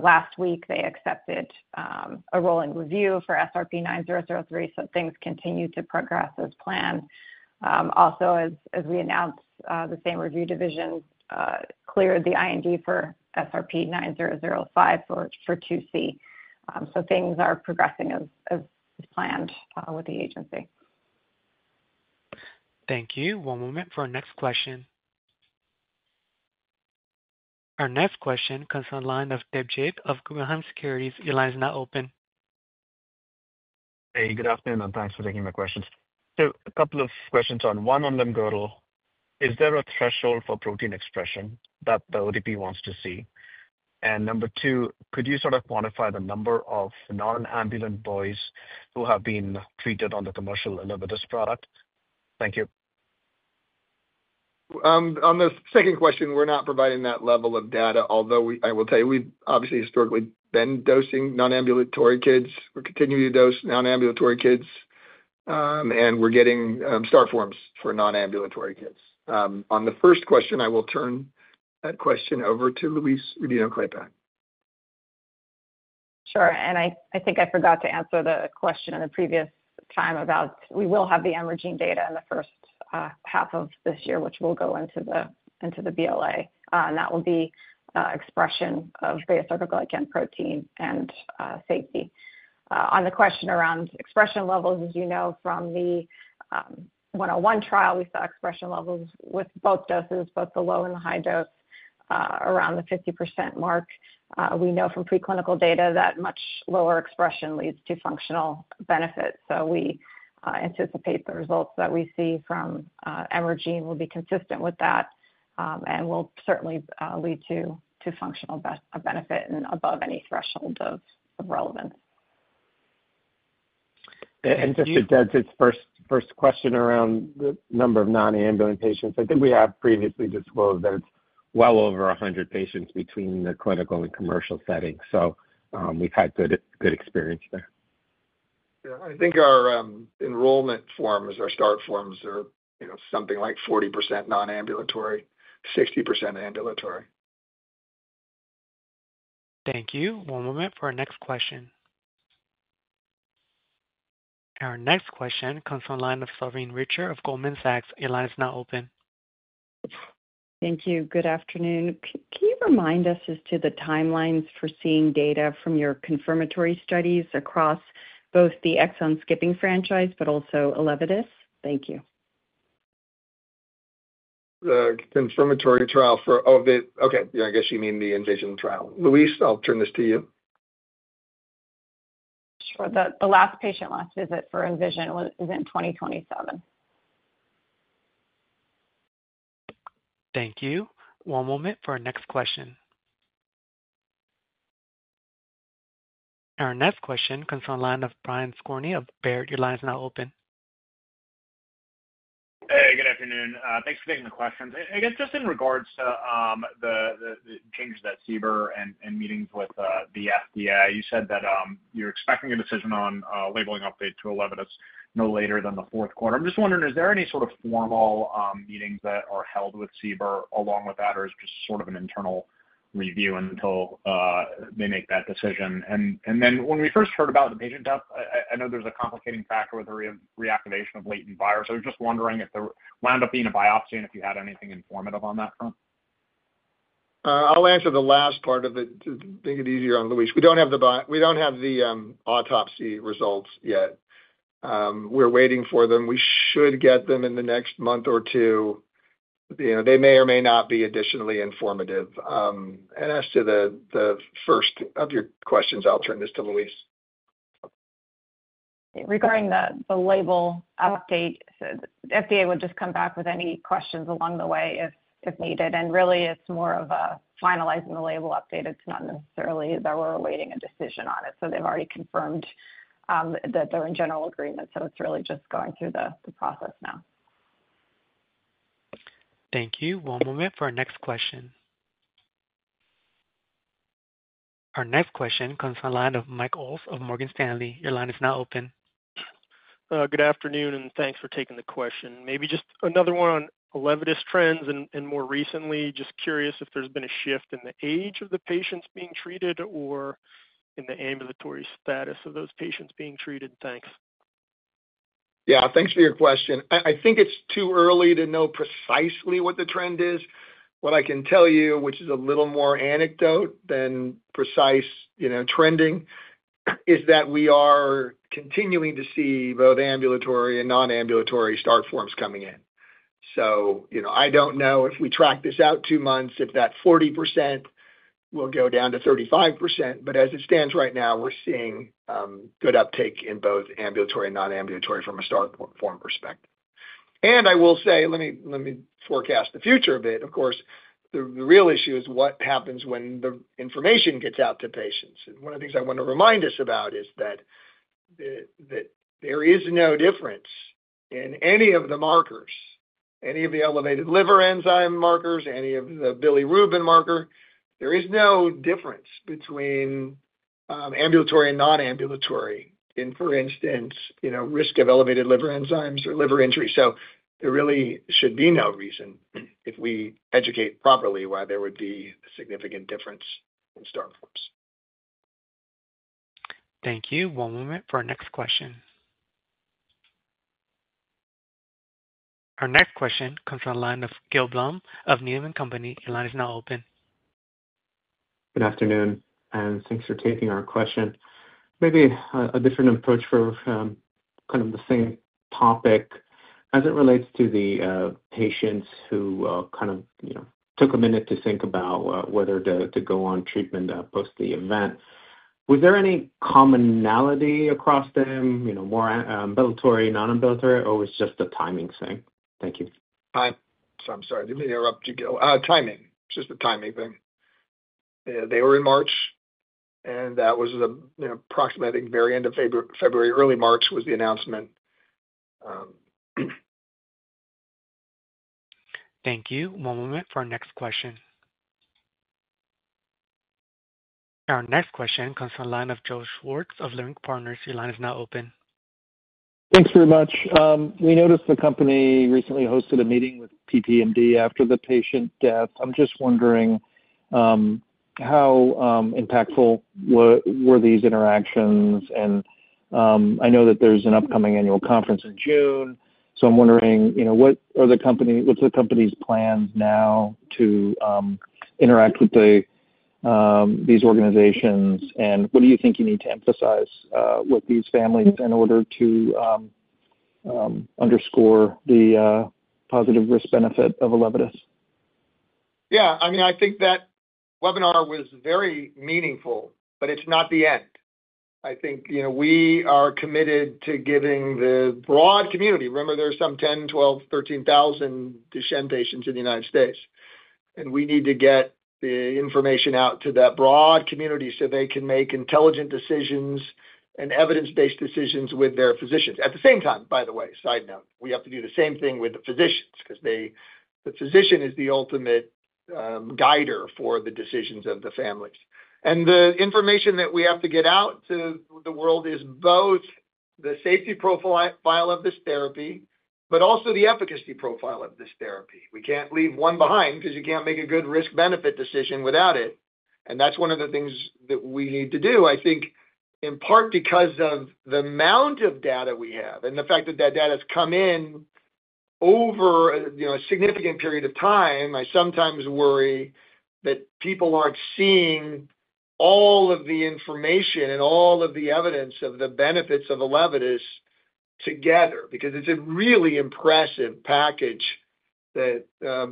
last week. They accepted a rolling review for SRP-9003. Things continue to progress as planned. Also, as we announced, the same review division cleared the IND for SRP-9005 for 2C. Things are progressing as planned with the agency.
Thank you. One moment for our next question. Our next question comes from Debjit of Guggenheim Securities. Your line is now open.
Hey, good afternoon, and thanks for taking my questions. A couple of questions, one on limb-girdle. Is there a threshold for protein expression that the OTP wants to see? Number two, could you sort of quantify the number of non-ambulant boys who have been treated on the commercial ELEVIDYS product? Thank you.
On the second question, we're not providing that level of data, although I will tell you, we've obviously historically been dosing non-ambulatory kids. We're continuing to dose non-ambulatory kids. And we're getting start forms for non-ambulatory kids. On the first question, I will turn that question over to Louise Rodino-Klapac.
Sure. I think I forgot to answer the question in the previous time about we will have the emerging data in the first half of this year, which will go into the BLA. That will be expression of beta-sarcoglycan protein and safety. On the question around expression levels, as you know, from the 101 trial, we saw expression levels with both doses, both the low and the high dose, around the 50% mark. We know from preclinical data that much lower expression leads to functional benefit. We anticipate the results that we see from EMERGENE will be consistent with that and will certainly lead to functional benefit and above any threshold of relevance.
Just to add to its first question around the number of non-ambulant patients, I think we have previously disclosed that it is well over 100 patients between the clinical and commercial setting. We have had good experience there.
Yeah. I think our enrollment forms, our start forms, are something like 40% non-ambulatory, 60% ambulatory.
Thank you. One moment for our next question. Our next question comes from Salveen Richter of Goldman Sachs. Your line is now open.
Thank you. Good afternoon. Can you remind us as to the timelines for seeing data from your confirmatory studies across both the exon-skipping franchise, but also ELEVIDYS? Thank you.
The confirmatory trial for, okay. Yeah, I guess you mean the ENVISION trial. Louise, I'll turn this to you.
Sure. The last patient last visit for ENVISION was in 2027.
Thank you. One moment for our next question. Our next question comes from the line of Brian Skorney of Baird. Your line is now open.
Hey, good afternoon. Thanks for taking the question. I guess just in regards to the changes at CBER and meetings with the FDA, you said that you're expecting a decision on labeling update to ELEVIDYS no later than the fourth quarter. I'm just wondering, is there any sort of formal meetings that are held with CBER along with that, or is it just sort of an internal review until they make that decision? When we first heard about the patient death, I know there's a complicating factor with the reactivation of latent virus. I was just wondering if there wound up being a biopsy and if you had anything informative on that front.
I'll answer the last part of it to make it easier on Louise. We don't have the autopsy results yet. We're waiting for them. We should get them in the next month or two. They may or may not be additionally informative. As to the first of your questions, I'll turn this to Louise.
Regarding the label update, FDA would just come back with any questions along the way if needed. Really, it's more of finalizing the label update. It's not necessarily that we're awaiting a decision on it. They've already confirmed that they're in general agreement. It's really just going through the process now.
Thank you. One moment for our next question. Our next question comes from the line of Michael Ulz of Morgan Stanley. Your line is now open.
Good afternoon, and thanks for taking the question. Maybe just another one on ELEVIDYS trends and more recently, just curious if there's been a shift in the age of the patients being treated or in the ambulatory status of those patients being treated. Thanks.
Yeah. Thanks for your question. I think it's too early to know precisely what the trend is. What I can tell you, which is a little more anecdote than precise trending, is that we are continuing to see both ambulatory and non-ambulatory start forms coming in. I don't know if we track this out two months if that 40% will go down to 35%. As it stands right now, we're seeing good uptake in both ambulatory and non-ambulatory from a start form perspective. I will say, let me forecast the future a bit. Of course, the real issue is what happens when the information gets out to patients. One of the things I want to remind us about is that there is no difference in any of the markers, any of the elevated liver enzyme markers, any of the bilirubin marker. There is no difference between ambulatory and non-ambulatory in, for instance, risk of elevated liver enzymes or liver injury. There really should be no reason if we educate properly why there would be a significant difference in start forms.
Thank you. One moment for our next question. Our next question comes from Gil Blum of Needham & Company. Your line is now open.
Good afternoon, and thanks for taking our question. Maybe a different approach for kind of the same topic as it relates to the patients who kind of took a minute to think about whether to go on treatment post the event. Was there any commonality across them, more ambulatory, non-ambulatory, or was it just a timing thing? Thank you.
Hi. I'm sorry. Let me interrupt you, Gil. Timing. It's just a timing thing. They were in March, and that was approximately very end of February, early March was the announcement.
Thank you. One moment for our next question. Our next question comes from Joe Schwartz of Leerink Partners. Your line is now open.
Thanks very much. We noticed the company recently hosted a meeting with PPMD after the patient death. I'm just wondering how impactful were these interactions? I know that there's an upcoming annual conference in June. I'm wondering, what are the company's plans now to interact with these organizations? What do you think you need to emphasize with these families in order to underscore the positive risk-benefit of ELEVIDYS?
Yeah. I mean, I think that webinar was very meaningful, but it's not the end. I think we are committed to giving the broad community—remember, there's some 10,000, 12,000, 13,000 Duchenne patients in the United States—and we need to get the information out to that broad community so they can make intelligent decisions and evidence-based decisions with their physicians. At the same time, by the way, side note, we have to do the same thing with the physicians because the physician is the ultimate guider for the decisions of the families. The information that we have to get out to the world is both the safety profile of this therapy, but also the efficacy profile of this therapy. We can't leave one behind because you can't make a good risk-benefit decision without it. That's one of the things that we need to do. I think in part because of the amount of data we have and the fact that that data has come in over a significant period of time, I sometimes worry that people aren't seeing all of the information and all of the evidence of the benefits of ELEVIDYS together because it's a really impressive package that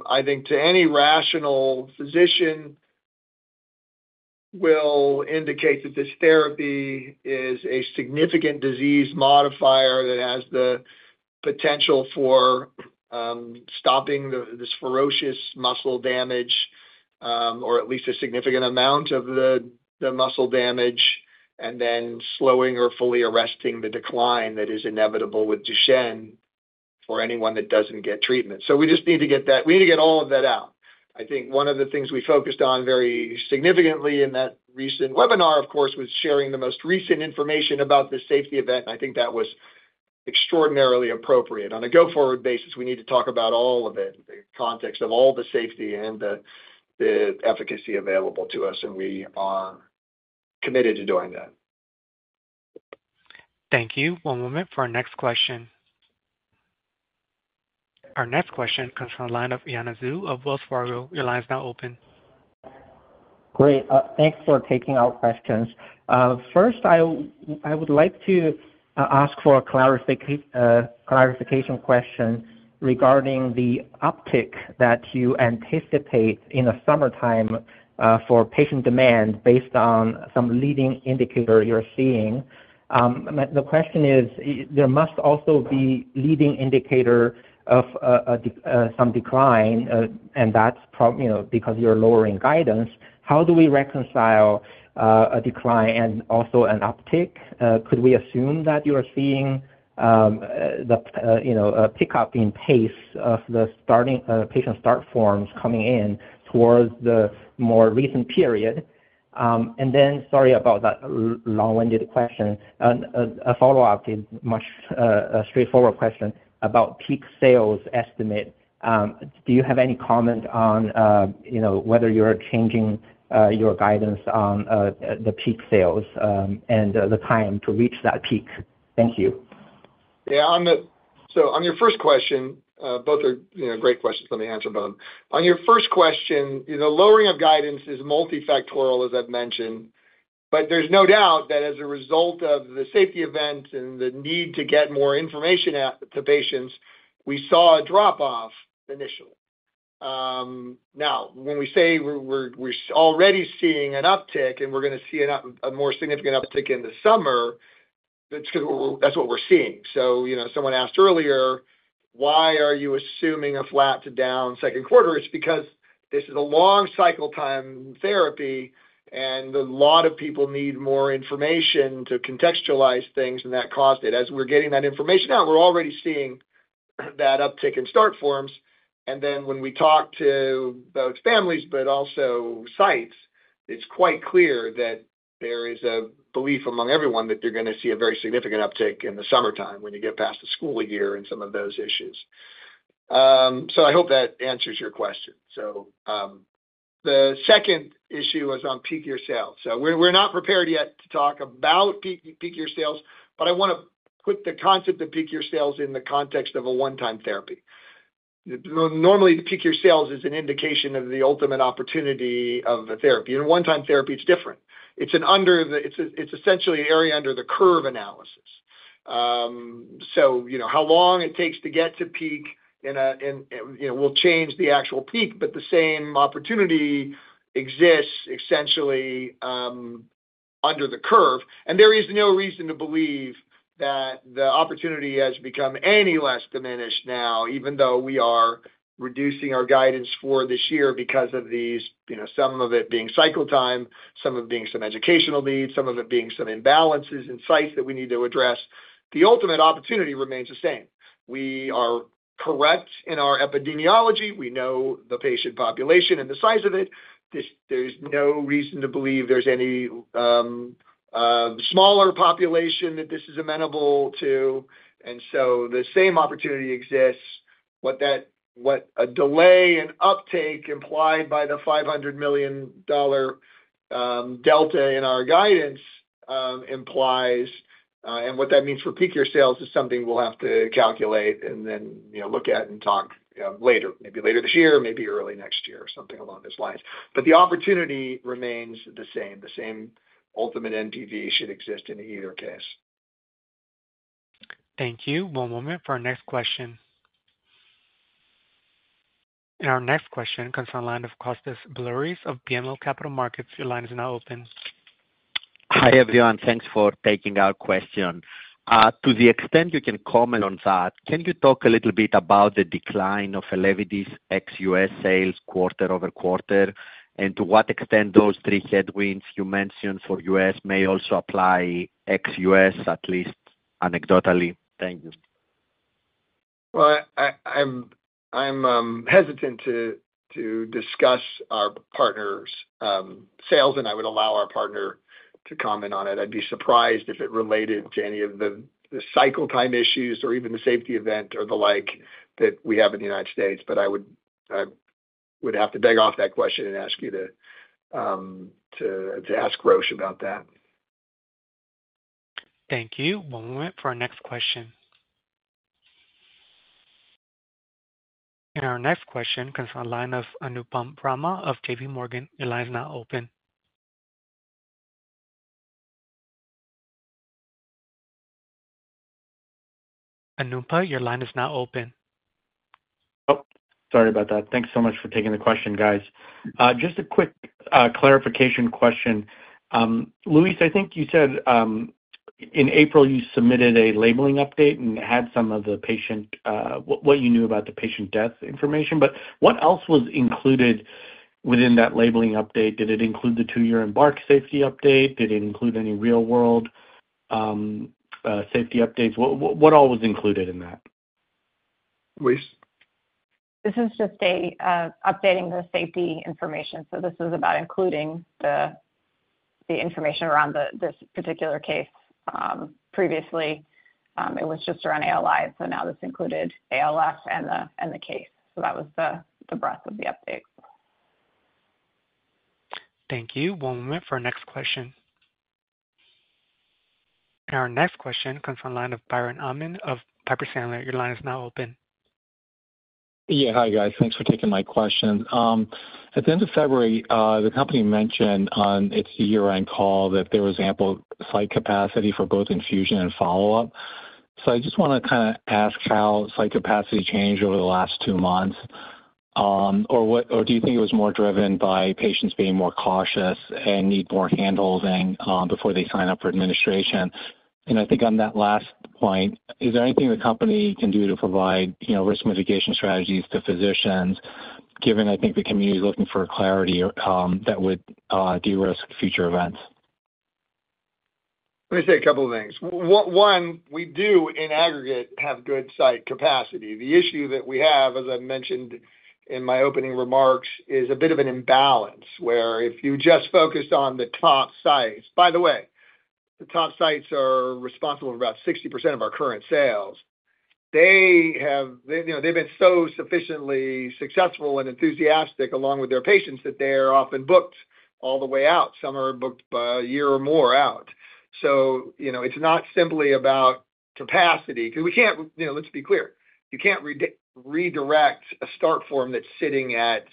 I think to any rational physician will indicate that this therapy is a significant disease modifier that has the potential for stopping this ferocious muscle damage or at least a significant amount of the muscle damage and then slowing or fully arresting the decline that is inevitable with Duchenne for anyone that doesn't get treatment. We just need to get that. We need to get all of that out. I think one of the things we focused on very significantly in that recent webinar, of course, was sharing the most recent information about the safety event. I think that was extraordinarily appropriate. On a go-forward basis, we need to talk about all of it, the context of all the safety and the efficacy available to us. We are committed to doing that.
Thank you. One moment for our next question. Our next question comes from Yanan Zhu of Wells Fargo. Your line is now open.
Great. Thanks for taking our questions. First, I would like to ask for a clarification question regarding the uptick that you anticipate in the summertime for patient demand based on some leading indicator you're seeing. The question is, there must also be leading indicator of some decline, and that's probably because you're lowering guidance. How do we reconcile a decline and also an uptick? Could we assume that you're seeing the pickup in pace of the patient start forms coming in towards the more recent period? Sorry about that long-winded question. A follow-up is a much straightforward question about peak sales estimate. Do you have any comment on whether you're changing your guidance on the peak sales and the time to reach that peak? Thank you.
Yeah. On your first question, both are great questions. Let me answer both. On your first question, the lowering of guidance is multifactorial, as I've mentioned. There is no doubt that as a result of the safety event and the need to get more information to patients, we saw a drop-off initially. Now, when we say we're already seeing an uptick and we're going to see a more significant uptick in the summer, that is what we're seeing. Someone asked earlier, "Why are you assuming a flat to down second quarter?" It is because this is a long cycle time therapy, and a lot of people need more information to contextualize things, and that caused it. As we're getting that information out, we're already seeing that uptick in start forms. When we talk to both families, but also sites, it is quite clear that there is a belief among everyone that they are going to see a very significant uptick in the summertime when you get past the school year and some of those issues. I hope that answers your question. The second issue was on peak year sales. We are not prepared yet to talk about peak year sales, but I want to put the concept of peak year sales in the context of a one-time therapy. Normally, peak year sales is an indication of the ultimate opportunity of a therapy. In a one-time therapy, it is different. It is essentially an area under the curve analysis. How long it takes to get to peak will change the actual peak, but the same opportunity exists essentially under the curve. There is no reason to believe that the opportunity has become any less diminished now, even though we are reducing our guidance for this year because of some of it being cycle time, some of it being some educational needs, some of it being some imbalances in sites that we need to address. The ultimate opportunity remains the same. We are correct in our epidemiology. We know the patient population and the size of it. There is no reason to believe there is any smaller population that this is amenable to. The same opportunity exists. What a delay in uptake implied by the $500 million delta in our guidance implies, and what that means for peak year sales is something we will have to calculate and then look at and talk later, maybe later this year, maybe early next year, something along those lines. The opportunity remains the same. The same ultimate NPV should exist in either case.
Thank you. One moment for our next question. Our next question comes from Kostas Biliouris of BMO Capital Markets. Your line is now open.
Hi, everyone. Thanks for taking our question. To the extent you can comment on that, can you talk a little bit about the decline of ELEVIDYS ex-U.S. sales quarter-over-quarter and to what extent those three headwinds you mentioned for U.S. may also apply ex-U.S., at least anecdotally? Thank you.
I'm hesitant to discuss our partner's sales, and I would allow our partner to comment on it. I'd be surprised if it related to any of the cycle time issues or even the safety event or the like that we have in the United States. I would have to beg off that question and ask you to ask Roche about that.
Thank you. One moment for our next question. Our next question comes from Anupam Rama of JPMorgan. Your line is now open. Anupam, your line is now open.
Oh, sorry about that. Thanks so much for taking the question, guys. Just a quick clarification question. Louise, I think you said in April you submitted a labeling update and had some of the patient, what you knew about the patient death information. What else was included within that labeling update? Did it include the two-year EMBARK safety update? Did it include any real-world safety updates? What all was included in that.
Louise.
This is just updating the safety information. This is about including the information around this particular case. Previously, it was just around ALI, so now this included ALF and the case. That was the breadth of the update.
Thank you. One moment for our next question. Our next question comes from Biren Amin of Piper Sandler. Your line is now open.
Yeah. Hi, guys. Thanks for taking my question. At the end of February, the company mentioned on its year-end call that there was ample site capacity for both infusion and follow-up. I just want to kind of ask how site capacity changed over the last two months, or do you think it was more driven by patients being more cautious and need more hand-holding before they sign up for administration? I think on that last point, is there anything the company can do to provide risk mitigation strategies to physicians, given I think the community is looking for clarity that would de-risk future events?
Let me say a couple of things. One, we do in aggregate have good site capacity. The issue that we have, as I mentioned in my opening remarks, is a bit of an imbalance where if you just focus on the top sites—by the way, the top sites are responsible for about 60% of our current sales—they've been so sufficiently successful and enthusiastic along with their patients that they're often booked all the way out. Some are booked a year or more out. It is not simply about capacity because we can't—let's be clear—you can't redirect a start form that's sitting at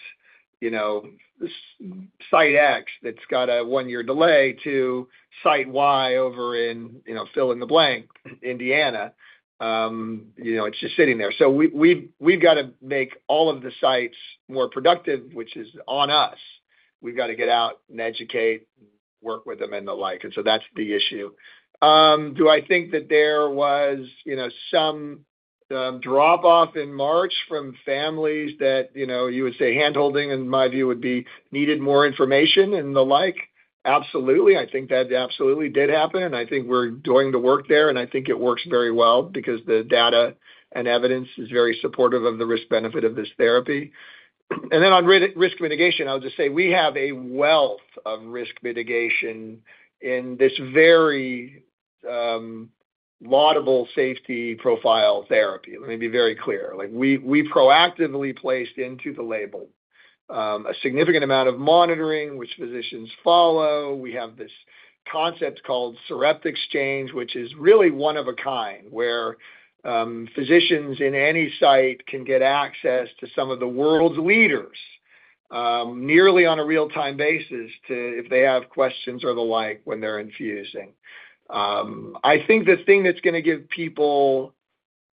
site X that's got a one-year delay to site Y over in fill-in-the-blank Indiana. It is just sitting there. We have to make all of the sites more productive, which is on us. We have to get out and educate and work with them and the like. That's the issue. Do I think that there was some drop-off in March from families that you would say hand-holding, in my view, would be needed, more information and the like? Absolutely. I think that absolutely did happen. I think we're doing the work there. I think it works very well because the data and evidence is very supportive of the risk-benefit of this therapy. On risk mitigation, I'll just say we have a wealth of risk mitigation in this very laudable safety profile therapy. Let me be very clear. We proactively placed into the label a significant amount of monitoring, which physicians follow. We have this concept called Sarepta Exchange, which is really one of a kind where physicians in any site can get access to some of the world's leaders nearly on a real-time basis if they have questions or the like when they're infusing. I think the thing that's going to give people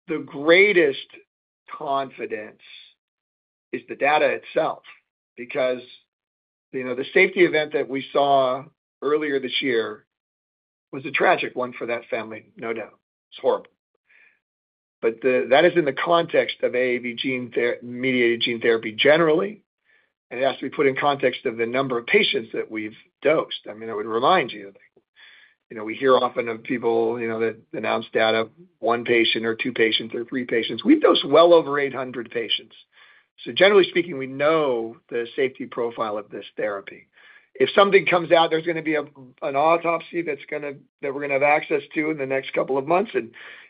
the greatest confidence is the data itself because the safety event that we saw earlier this year was a tragic one for that family, no doubt. It's horrible. That is in the context of AAV gene-mediated gene therapy generally. It has to be put in context of the number of patients that we've dosed. I mean, I would remind you, we hear often of people that announce data, one patient or two patients or three patients. We've dosed well over 800 patients. Generally speaking, we know the safety profile of this therapy. If something comes out, there's going to be an autopsy that we're going to have access to in the next couple of months.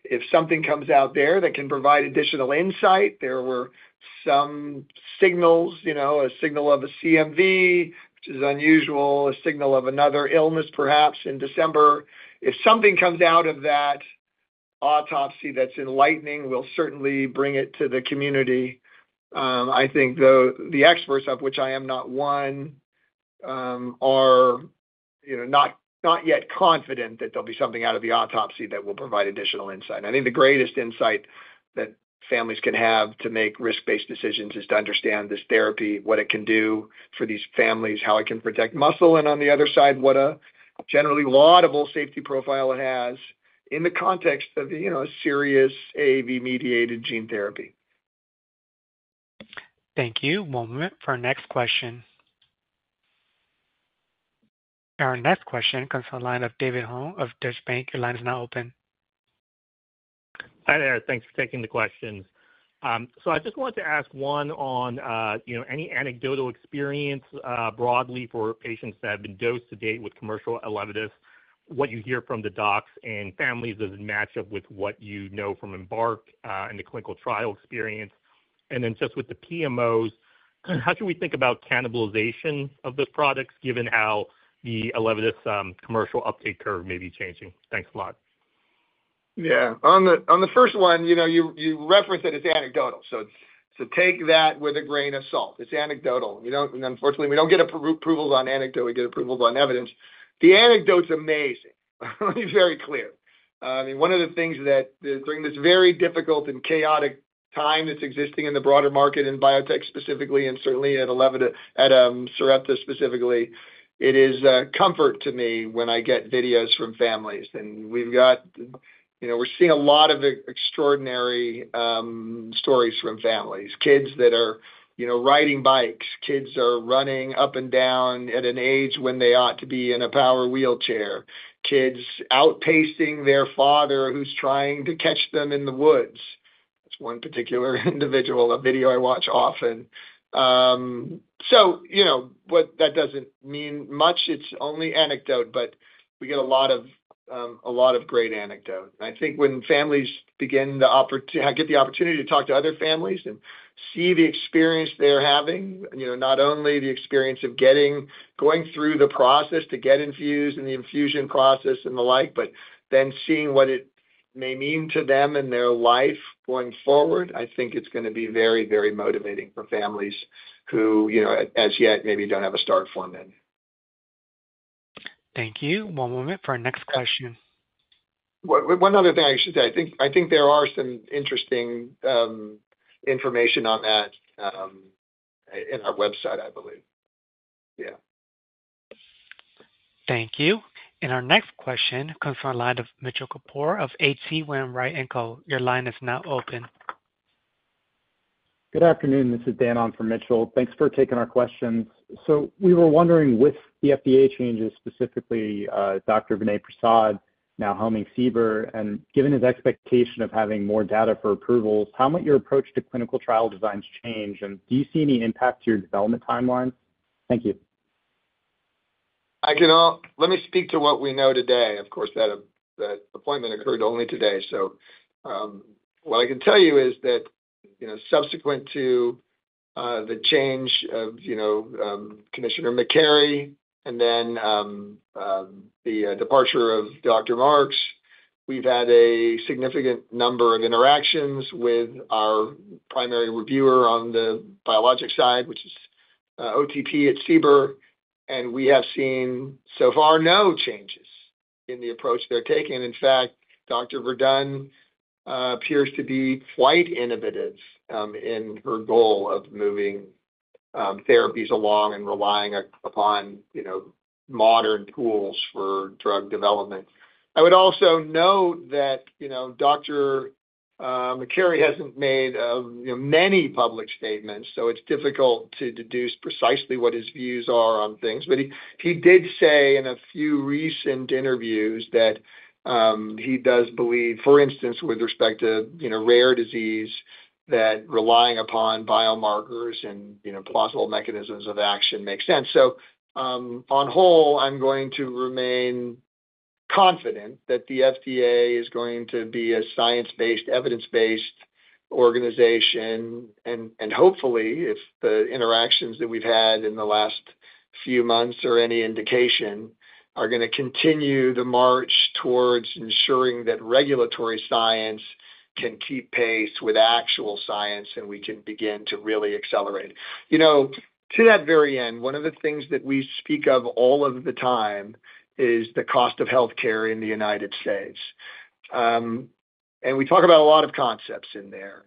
If something comes out there that can provide additional insight, there were some signals, a signal of a CMV, which is unusual, a signal of another illness perhaps in December. If something comes out of that autopsy that's enlightening, we'll certainly bring it to the community. I think the experts, of which I am not one, are not yet confident that there'll be something out of the autopsy that will provide additional insight. I think the greatest insight that families can have to make risk-based decisions is to understand this therapy, what it can do for these families, how it can protect muscle, and on the other side, what a generally laudable safety profile it has in the context of a serious AAV-mediated gene therapy.
Thank you. One moment for our next question. Our next question comes from David Hoang of Deutsche Bank. Your line is now open.
Hi there. Thanks for taking the question. I just wanted to ask one on any anecdotal experience broadly for patients that have been dosed to date with commercial ELEVIDYS, what you hear from the docs and families, does it match up with what you know from EMBARK and the clinical trial experience? Just with the PMOs, how should we think about cannibalization of the products given how the ELEVIDYS commercial uptake curve may be changing? Thanks a lot.
Yeah. On the first one, you referenced that it's anecdotal. Take that with a grain of salt. It's anecdotal. Unfortunately, we don't get approvals on anecdote. We get approvals on evidence. The anecdote's amazing. Let me be very clear. I mean, one of the things that during this very difficult and chaotic time that's existing in the broader market in biotech specifically and certainly at Sarepta specifically, it is a comfort to me when I get videos from families. We've got, we're seeing a lot of extraordinary stories from families. Kids that are riding bikes. Kids are running up and down at an age when they ought to be in a power wheelchair. Kids outpacing their father who's trying to catch them in the woods. That's one particular individual, a video I watch often. That doesn't mean much. It's only anecdote, but we get a lot of great anecdote. I think when families begin to get the opportunity to talk to other families and see the experience they're having, not only the experience of going through the process to get infused and the infusion process and the like, but then seeing what it may mean to them and their life going forward, I think it's going to be very, very motivating for families who as yet maybe don't have a start form in.
Thank you. One moment for our next question.
One other thing I should say. I think there is some interesting information on that in our website, I believe. Yeah.
Thank you. Our next question comes from Mitchell Kapoor of H.C. Wainwright & Co. Your line is now open. Good afternoon. This is Dan on for Mitchell. Thanks for taking our questions. We were wondering with the FDA changes, specifically Dr. Vinay Prasad now homing fever, and given his expectation of having more data for approvals, how might your approach to clinical trial designs change? Do you see any impact to your development timelines? Thank you.
Let me speak to what we know today. Of course, that appointment occurred only today. What I can tell you is that subsequent to the change of Commissioner Makary and then the departure of Dr. Marks, we've had a significant number of interactions with our primary reviewer on the biologic side, which is OTP at CBER. We have seen so far no changes in the approach they're taking. In fact, Dr. Verdun appears to be quite innovative in her goal of moving therapies along and relying upon modern tools for drug development. I would also note that Dr. Makary has not made many public statements, so it's difficult to deduce precisely what his views are on things. He did say in a few recent interviews that he does believe, for instance, with respect to rare disease, that relying upon biomarkers and plausible mechanisms of action makes sense. On hold, I'm going to remain confident that the FDA is going to be a science-based, evidence-based organization. Hopefully, if the interactions that we've had in the last few months are any indication, they are going to continue the march towards ensuring that regulatory science can keep pace with actual science and we can begin to really accelerate. To that very end, one of the things that we speak of all of the time is the cost of healthcare in the United States. We talk about a lot of concepts in there.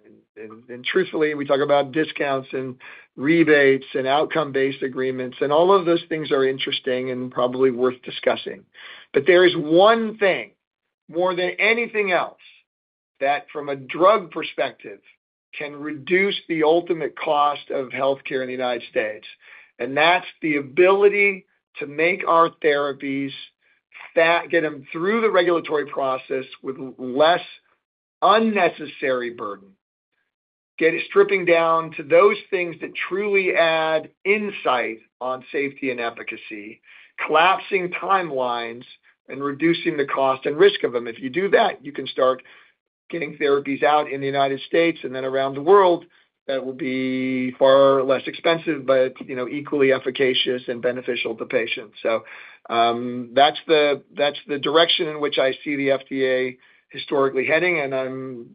Truthfully, we talk about discounts and rebates and outcome-based agreements. All of those things are interesting and probably worth discussing. There is one thing more than anything else that, from a drug perspective, can reduce the ultimate cost of healthcare in the United States. That is the ability to make our therapies, get them through the regulatory process with less unnecessary burden, stripping down to those things that truly add insight on safety and efficacy, collapsing timelines, and reducing the cost and risk of them. If you do that, you can start getting therapies out in the U.S. and then around the world that will be far less expensive but equally efficacious and beneficial to patients. That is the direction in which I see the FDA historically heading. I am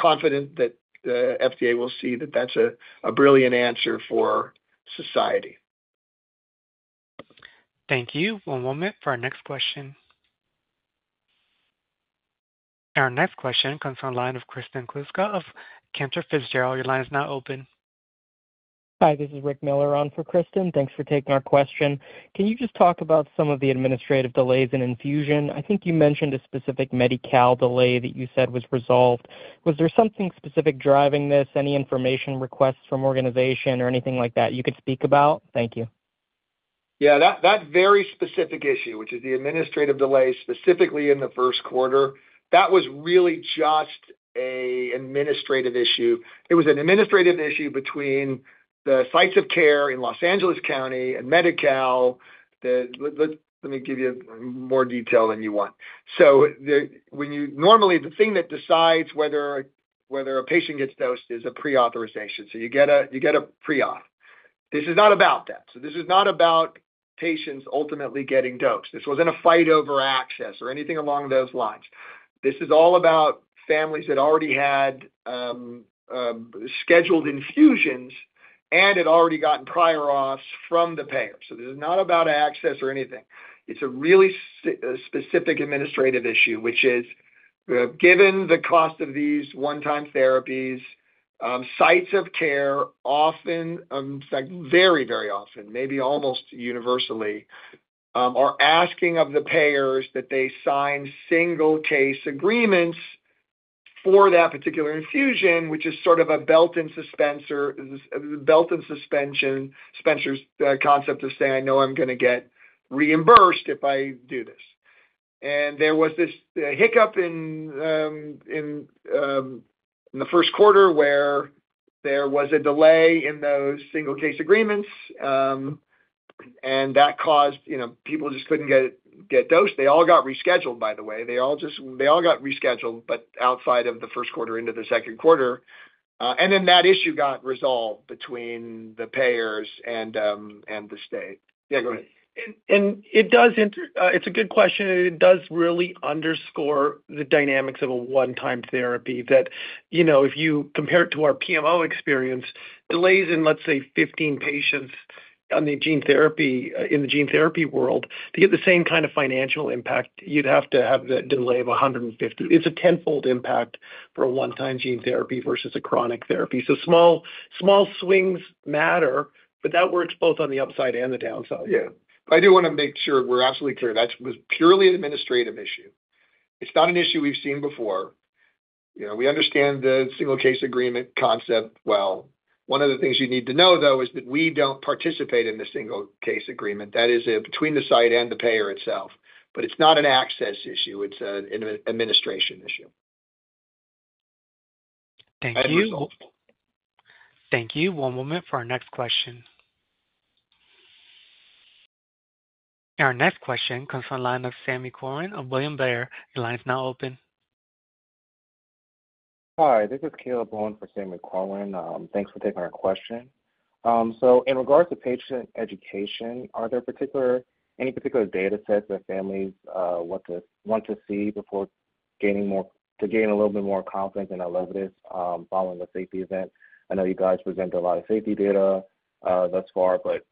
confident that the FDA will see that that is a brilliant answer for society.
Thank you. One moment for our next question. Our next question comes from Kristen Kluska of Cantor Fitzgerald. Your line is now open.
Hi, this is Rick Miller on for Kristen. Thanks for taking our question. Can you just talk about some of the administrative delays in infusion? I think you mentioned a specific Medi-Cal delay that you said was resolved. Was there something specific driving this, any information requests from organization or anything like that you could speak about? Thank you.
Yeah. That very specific issue, which is the administrative delay specifically in the first quarter, that was really just an administrative issue. It was an administrative issue between the sites of care in Los Angeles County and Medi-Cal. Let me give you more detail than you want. Normally, the thing that decides whether a patient gets dosed is a pre-authorization. You get a pre-auth. This is not about that. This is not about patients ultimately getting dosed. This was not a fight over access or anything along those lines. This is all about families that already had scheduled infusions and had already gotten prior auths from the payer. This is not about access or anything. It's a really specific administrative issue, which is given the cost of these one-time therapies, sites of care often, in fact, very, very often, maybe almost universally, are asking of the payers that they sign single-case agreements for that particular infusion, which is sort of a belt and suspension concept of saying, "I know I'm going to get reimbursed if I do this." There was this hiccup in the first quarter where there was a delay in those single-case agreements. That caused people just couldn't get dosed. They all got rescheduled, by the way. They all got rescheduled, but outside of the first quarter into the second quarter. That issue got resolved between the payers and the state. Yeah, go ahead.
It's a good question. It does really underscore the dynamics of a one-time therapy that if you compare it to our PMO experience, delays in, let's say, 15 patients in the gene therapy world, to get the same kind of financial impact, you'd have to have that delay of 150. It's a tenfold impact for a one-time gene therapy versus a chronic therapy. Small swings matter, but that works both on the upside and the downside.
Yeah. I do want to make sure we're absolutely clear. That was purely an administrative issue. It's not an issue we've seen before. We understand the single-case agreement concept well. One of the things you need to know, though, is that we don't participate in the single-case agreement. That is between the site and the payer itself. It's not an access issue. It's an administration issue.
Thank you.
That is all.
Thank you. One moment for our next question. Our next question comes from Sami Corwin of William Blair. Your line is now open. Hi. This is Caleb for Sami Corwin. Thanks for taking our question. In regards to patient education, are there any particular data sets that families want to see to gain a little bit more confidence in ELEVIDYS following the safety event? I know you guys presented a lot of safety data thus far, but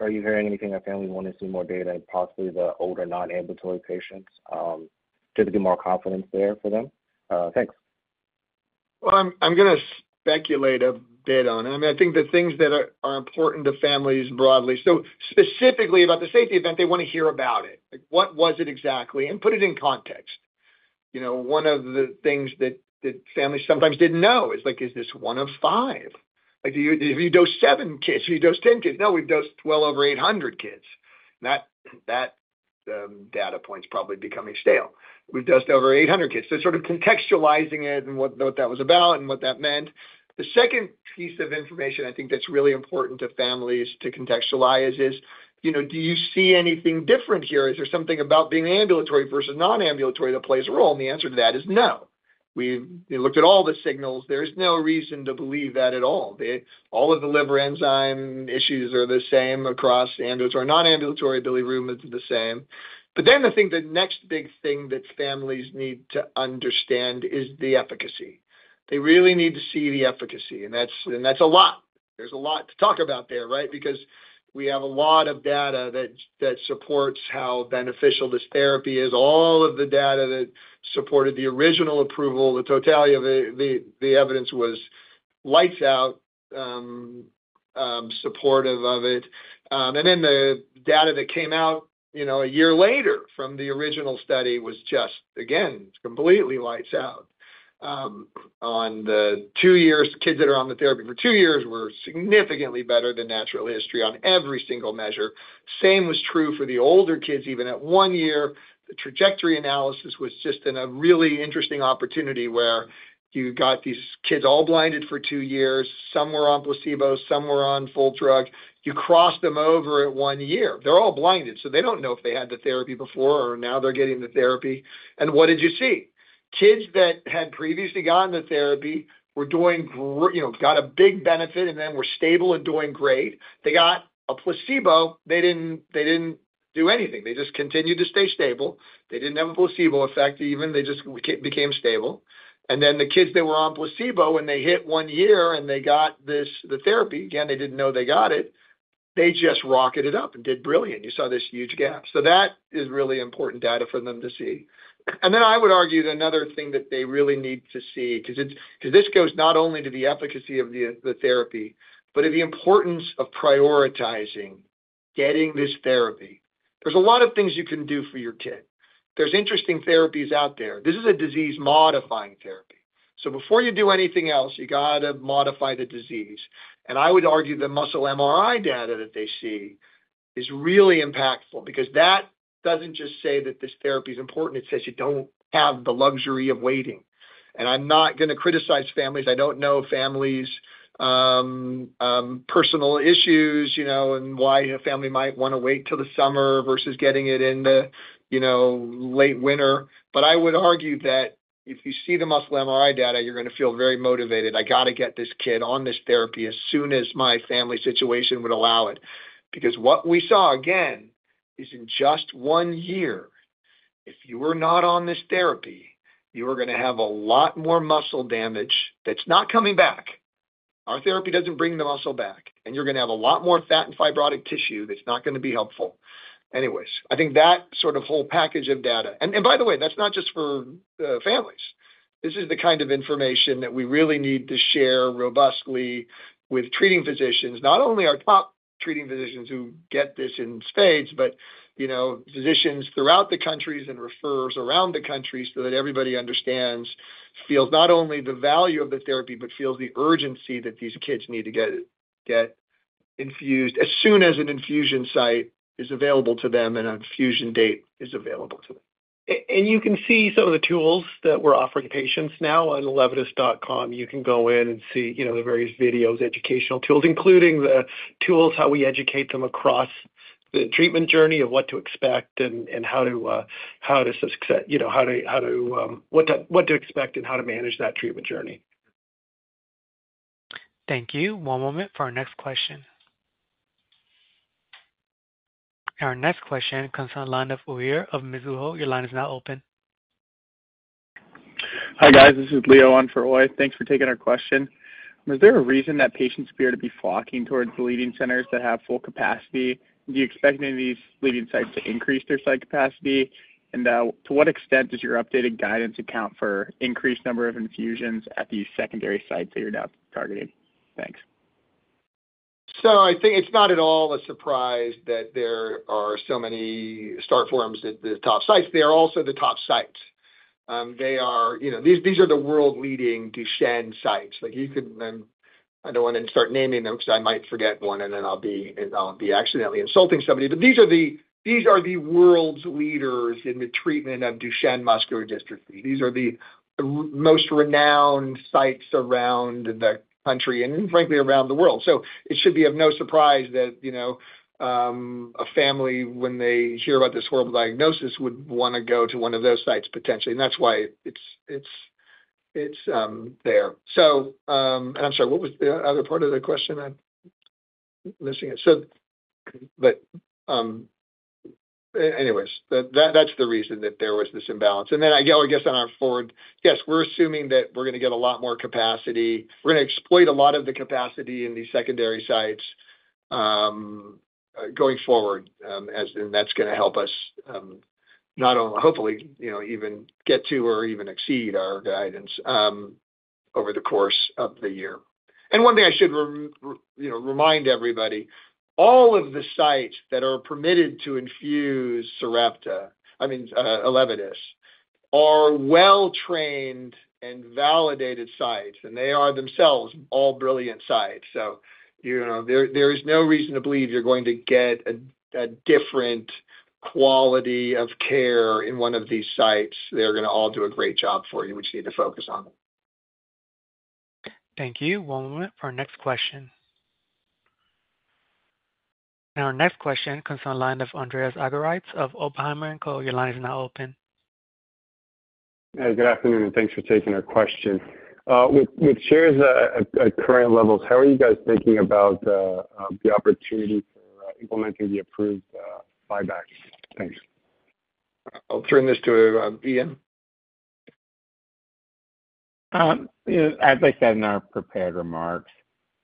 are you hearing anything that families want to see more data in possibly the older non-ambulatory patients to get more confidence there for them? Thanks.
I'm going to speculate a bit on it. I mean, I think the things that are important to families broadly, so specifically about the safety event, they want to hear about it. What was it exactly? And put it in context. One of the things that families sometimes did not know is, is this one of five? If you dose seven kids, if you dose 10 kids, no, we've dosed well over 800 kids. That data point is probably becoming stale. We've dosed over 800 kids. So sort of contextualizing it and what that was about and what that meant. The second piece of information I think that's really important to families to contextualize is, do you see anything different here? Is there something about being ambulatory versus non-ambulatory that plays a role? And the answer to that is no. We looked at all the signals. There is no reason to believe that at all. All of the liver enzyme issues are the same across ambulatory and non-ambulatory bilirubin. It is the same. I think the next big thing that families need to understand is the efficacy. They really need to see the efficacy. That is a lot. There is a lot to talk about there, right? Because we have a lot of data that supports how beneficial this therapy is. All of the data that supported the original approval, the totality of the evidence was lights out supportive of it. The data that came out a year later from the original study was just, again, completely lights out. On the two years, kids that are on the therapy for two years were significantly better than natural history on every single measure. The same was true for the older kids. Even at one year, the trajectory analysis was just in a really interesting opportunity where you got these kids all blinded for two years. Some were on placebo. Some were on full drug. You crossed them over at one year. They're all blinded. They do not know if they had the therapy before or now they're getting the therapy. What did you see? Kids that had previously gotten the therapy were doing great, got a big benefit, and then were stable and doing great. They got a placebo. They did not do anything. They just continued to stay stable. They did not have a placebo effect even. They just became stable. The kids that were on placebo, when they hit one year and they got the therapy, again, they did not know they got it, they just rocketed up and did brilliant. You saw this huge gap. That is really important data for them to see. I would argue that another thing that they really need to see, because this goes not only to the efficacy of the therapy, but to the importance of prioritizing getting this therapy. There are a lot of things you can do for your kid. There are interesting therapies out there. This is a disease-modifying therapy. Before you do anything else, you have to modify the disease. I would argue the muscle MRI data that they see is really impactful because that does not just say that this therapy is important. It says you do not have the luxury of waiting. I am not going to criticize families. I do not know families' personal issues and why a family might want to wait till the summer versus getting it in the late winter. I would argue that if you see the muscle MRI data, you're going to feel very motivated. I got to get this kid on this therapy as soon as my family situation would allow it. Because what we saw, again, is in just one year, if you were not on this therapy, you were going to have a lot more muscle damage that's not coming back. Our therapy doesn't bring the muscle back. You're going to have a lot more fat and fibrotic tissue that's not going to be helpful. Anyways, I think that sort of whole package of data. By the way, that's not just for families. This is the kind of information that we really need to share robustly with treating physicians, not only our top treating physicians who get this in spades, but physicians throughout the country and referrers around the country so that everybody understands, feels not only the value of the therapy, but feels the urgency that these kids need to get infused as soon as an infusion site is available to them and an infusion date is available to them.
You can see some of the tools that we're offering patients now on elevidys.com. You can go in and see the various videos, educational tools, including the tools, how we educate them across the treatment journey of what to expect and how to manage that treatment journey.
Thank you. One moment for our next question. Our next question comes from Uy Ear of Mizuho. Your line is now open. Hi guys. This is Leo on for Uy. Thanks for taking our question. Is there a reason that patients appear to be flocking towards bleeding centers that have full capacity? Do you expect any of these bleeding sites to increase their site capacity? To what extent does your updated guidance account for increased number of infusions at these secondary sites that you're now targeting? Thanks.
I think it's not at all a surprise that there are so many start forms at the top sites. They are also the top sites. These are the world-leading Duchenne sites. I don't want to start naming them because I might forget one and then I'll be accidentally insulting somebody. These are the world's leaders in the treatment of Duchenne muscular dystrophy. These are the most renowned sites around the country and frankly around the world. It should be of no surprise that a family, when they hear about this horrible diagnosis, would want to go to one of those sites potentially. That's why it's there. I'm sorry, what was the other part of the question? I'm missing it. Anyways, that's the reason that there was this imbalance. I guess on our forward, yes, we're assuming that we're going to get a lot more capacity. We're going to exploit a lot of the capacity in these secondary sites going forward, and that's going to help us not only hopefully even get to or even exceed our guidance over the course of the year. One thing I should remind everybody, all of the sites that are permitted to infuse Sarepta, I mean, ELEVIDYS, are well-trained and validated sites. They are themselves all brilliant sites. There is no reason to believe you're going to get a different quality of care in one of these sites. They're going to all do a great job for you, which you need to focus on.
Thank you. One moment for our next question. Our next question comes from Andreas Argyrides of Oppenheimer & Co. Your line is now open.
Good afternoon, and thanks for taking our question. With shares at current levels, how are you guys thinking about the opportunity for implementing the approved buyback? Thanks.
I'll turn this to Ian.
As I said in our prepared remarks,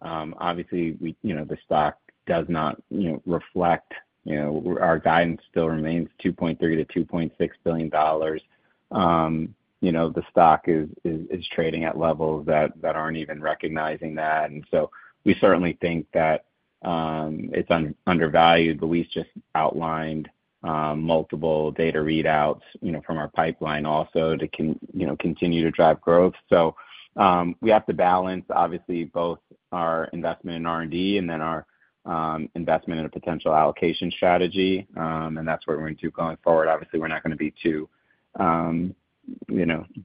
obviously, the stock does not reflect. Our guidance still remains $2.3 billion-$2.6 billion. The stock is trading at levels that are not even recognizing that. We certainly think that it is undervalued. We have just outlined multiple data readouts from our pipeline also to continue to drive growth. We have to balance, obviously, both our investment in R&D and then our investment in a potential allocation strategy. That is what we are going to do going forward. Obviously, we are not going to be too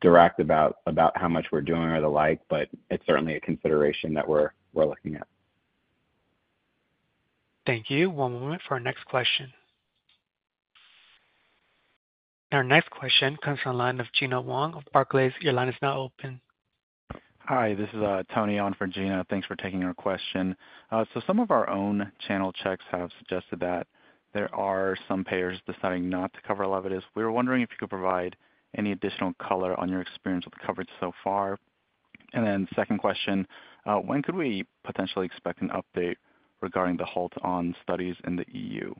direct about how much we are doing or the like, but it is certainly a consideration that we are looking at.
Thank you. One moment for our next question. Our next question comes from Gena Wang of Barclays. Your line is now open. Hi. This is Tony on for Gena. Thanks for taking our question. Some of our own channel checks have suggested that there are some payers deciding not to cover ELEVIDYS. We were wondering if you could provide any additional color on your experience with coverage so far. Second question, when could we potentially expect an update regarding the halt on studies in the EU?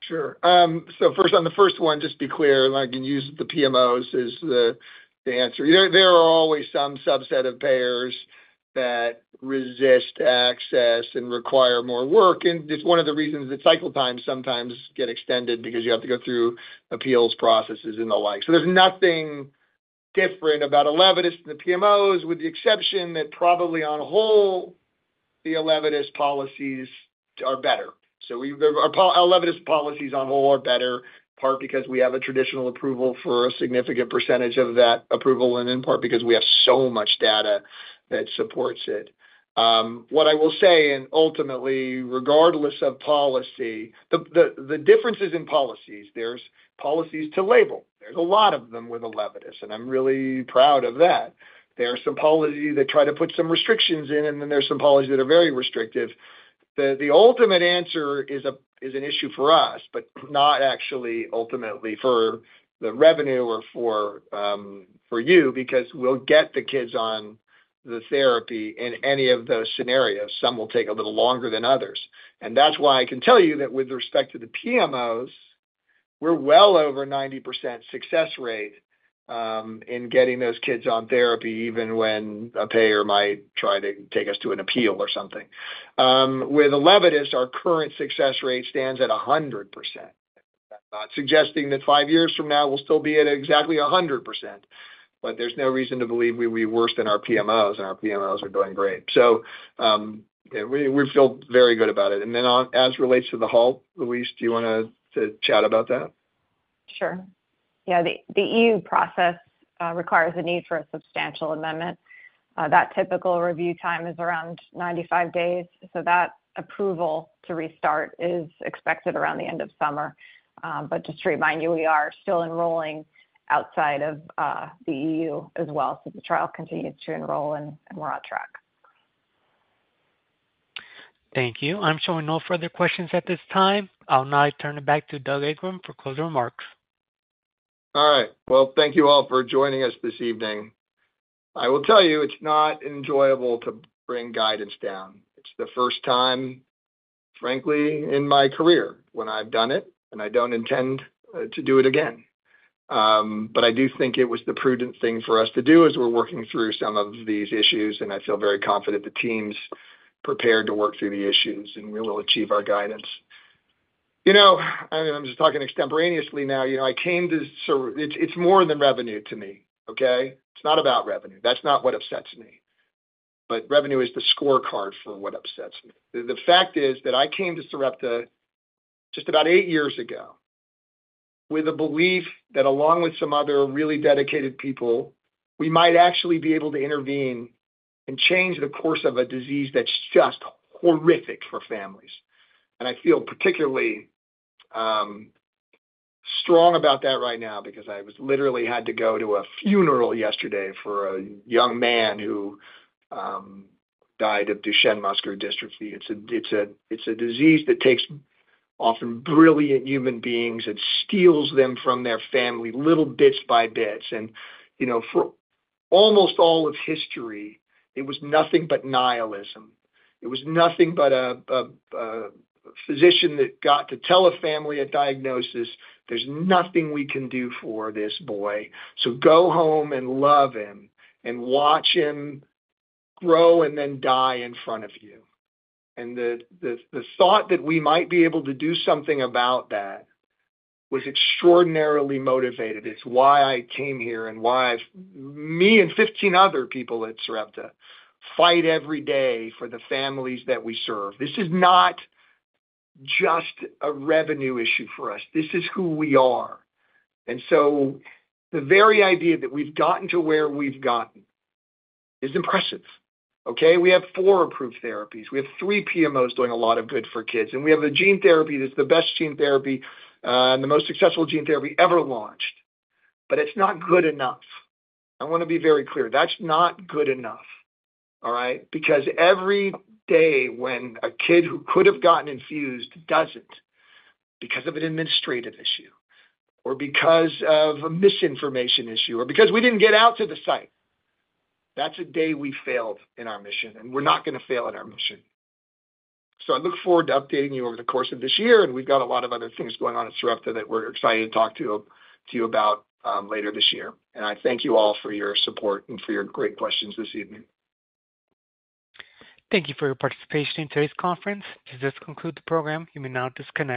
Sure. First, on the first one, just be clear. I can use the PMOs as the answer. There are always some subset of payers that resist access and require more work. It is one of the reasons that cycle times sometimes get extended because you have to go through appeals processes and the like. There is nothing different about ELEVIDYS and the PMOs, with the exception that probably on a whole, the ELEVIDYS policies are better. ELEVIDYS policies on a whole are better, part because we have a traditional approval for a significant percentage of that approval, and in part because we have so much data that supports it. What I will say, and ultimately, regardless of policy, the differences in policies, there are policies to label. There are a lot of them with ELEVIDYS. I am really proud of that. There are some policies that try to put some restrictions in, and then there are some policies that are very restrictive. The ultimate answer is an issue for us, but not actually ultimately for the revenue or for you, because we will get the kids on the therapy in any of those scenarios. Some will take a little longer than others. That is why I can tell you that with respect to the PMOs, we are well over 90% success rate in getting those kids on therapy, even when a payer might try to take us to an appeal or something. With ELEVIDYS, our current success rate stands at 100%. That is not suggesting that five years from now, we will still be at exactly 100%. There is no reason to believe we will be worse than our PMOs, and our PMOs are doing great. We feel very good about it. As it relates to the halt, Louise, do you want to chat about that?
Sure. Yeah. The EU process requires a need for a substantial amendment. That typical review time is around 95 days. That approval to restart is expected around the end of summer. Just to remind you, we are still enrolling outside of the EU as well. The trial continues to enroll, and we're on track.
Thank you. I'm showing no further questions at this time. I'll now turn it back to Doug Ingram for closing remarks.
All right. Thank you all for joining us this evening. I will tell you, it's not enjoyable to bring guidance down. It's the first time, frankly, in my career when I've done it, and I don't intend to do it again. I do think it was the prudent thing for us to do as we're working through some of these issues. I feel very confident the team's prepared to work through the issues, and we will achieve our guidance. I mean, I'm just talking extemporaneously now. I came to it's more than revenue to me, okay? It's not about revenue. That's not what upsets me. Revenue is the scorecard for what upsets me. The fact is that I came to Sarepta just about eight years ago with a belief that along with some other really dedicated people, we might actually be able to intervene and change the course of a disease that's just horrific for families. I feel particularly strong about that right now because I literally had to go to a funeral yesterday for a young man who died of Duchenne muscular dystrophy. It's a disease that takes often brilliant human beings and steals them from their family little bits by bits. For almost all of history, it was nothing but nihilism. It was nothing but a physician that got to tell a family a diagnosis, "There's nothing we can do for this boy. Go home and love him and watch him grow and then die in front of you." The thought that we might be able to do something about that was extraordinarily motivated. It is why I came here and why me and 15 other people at Sarepta fight every day for the families that we serve. This is not just a revenue issue for us. This is who we are. The very idea that we have gotten to where we have gotten is impressive. Okay? We have four approved therapies. We have three PMOs doing a lot of good for kids. We have a gene therapy that is the best gene therapy and the most successful gene therapy ever launched. It is not good enough. I want to be very clear. That is not good enough, all right? Because every day when a kid who could have gotten infused doesn't because of an administrative issue or because of a misinformation issue or because we didn't get out to the site, that's a day we failed in our mission, and we're not going to fail in our mission. I look forward to updating you over the course of this year. We've got a lot of other things going on at Sarepta that we're excited to talk to you about later this year. I thank you all for your support and for your great questions this evening.
Thank you for your participation in today's conference. To just conclude the program, you may now disconnect.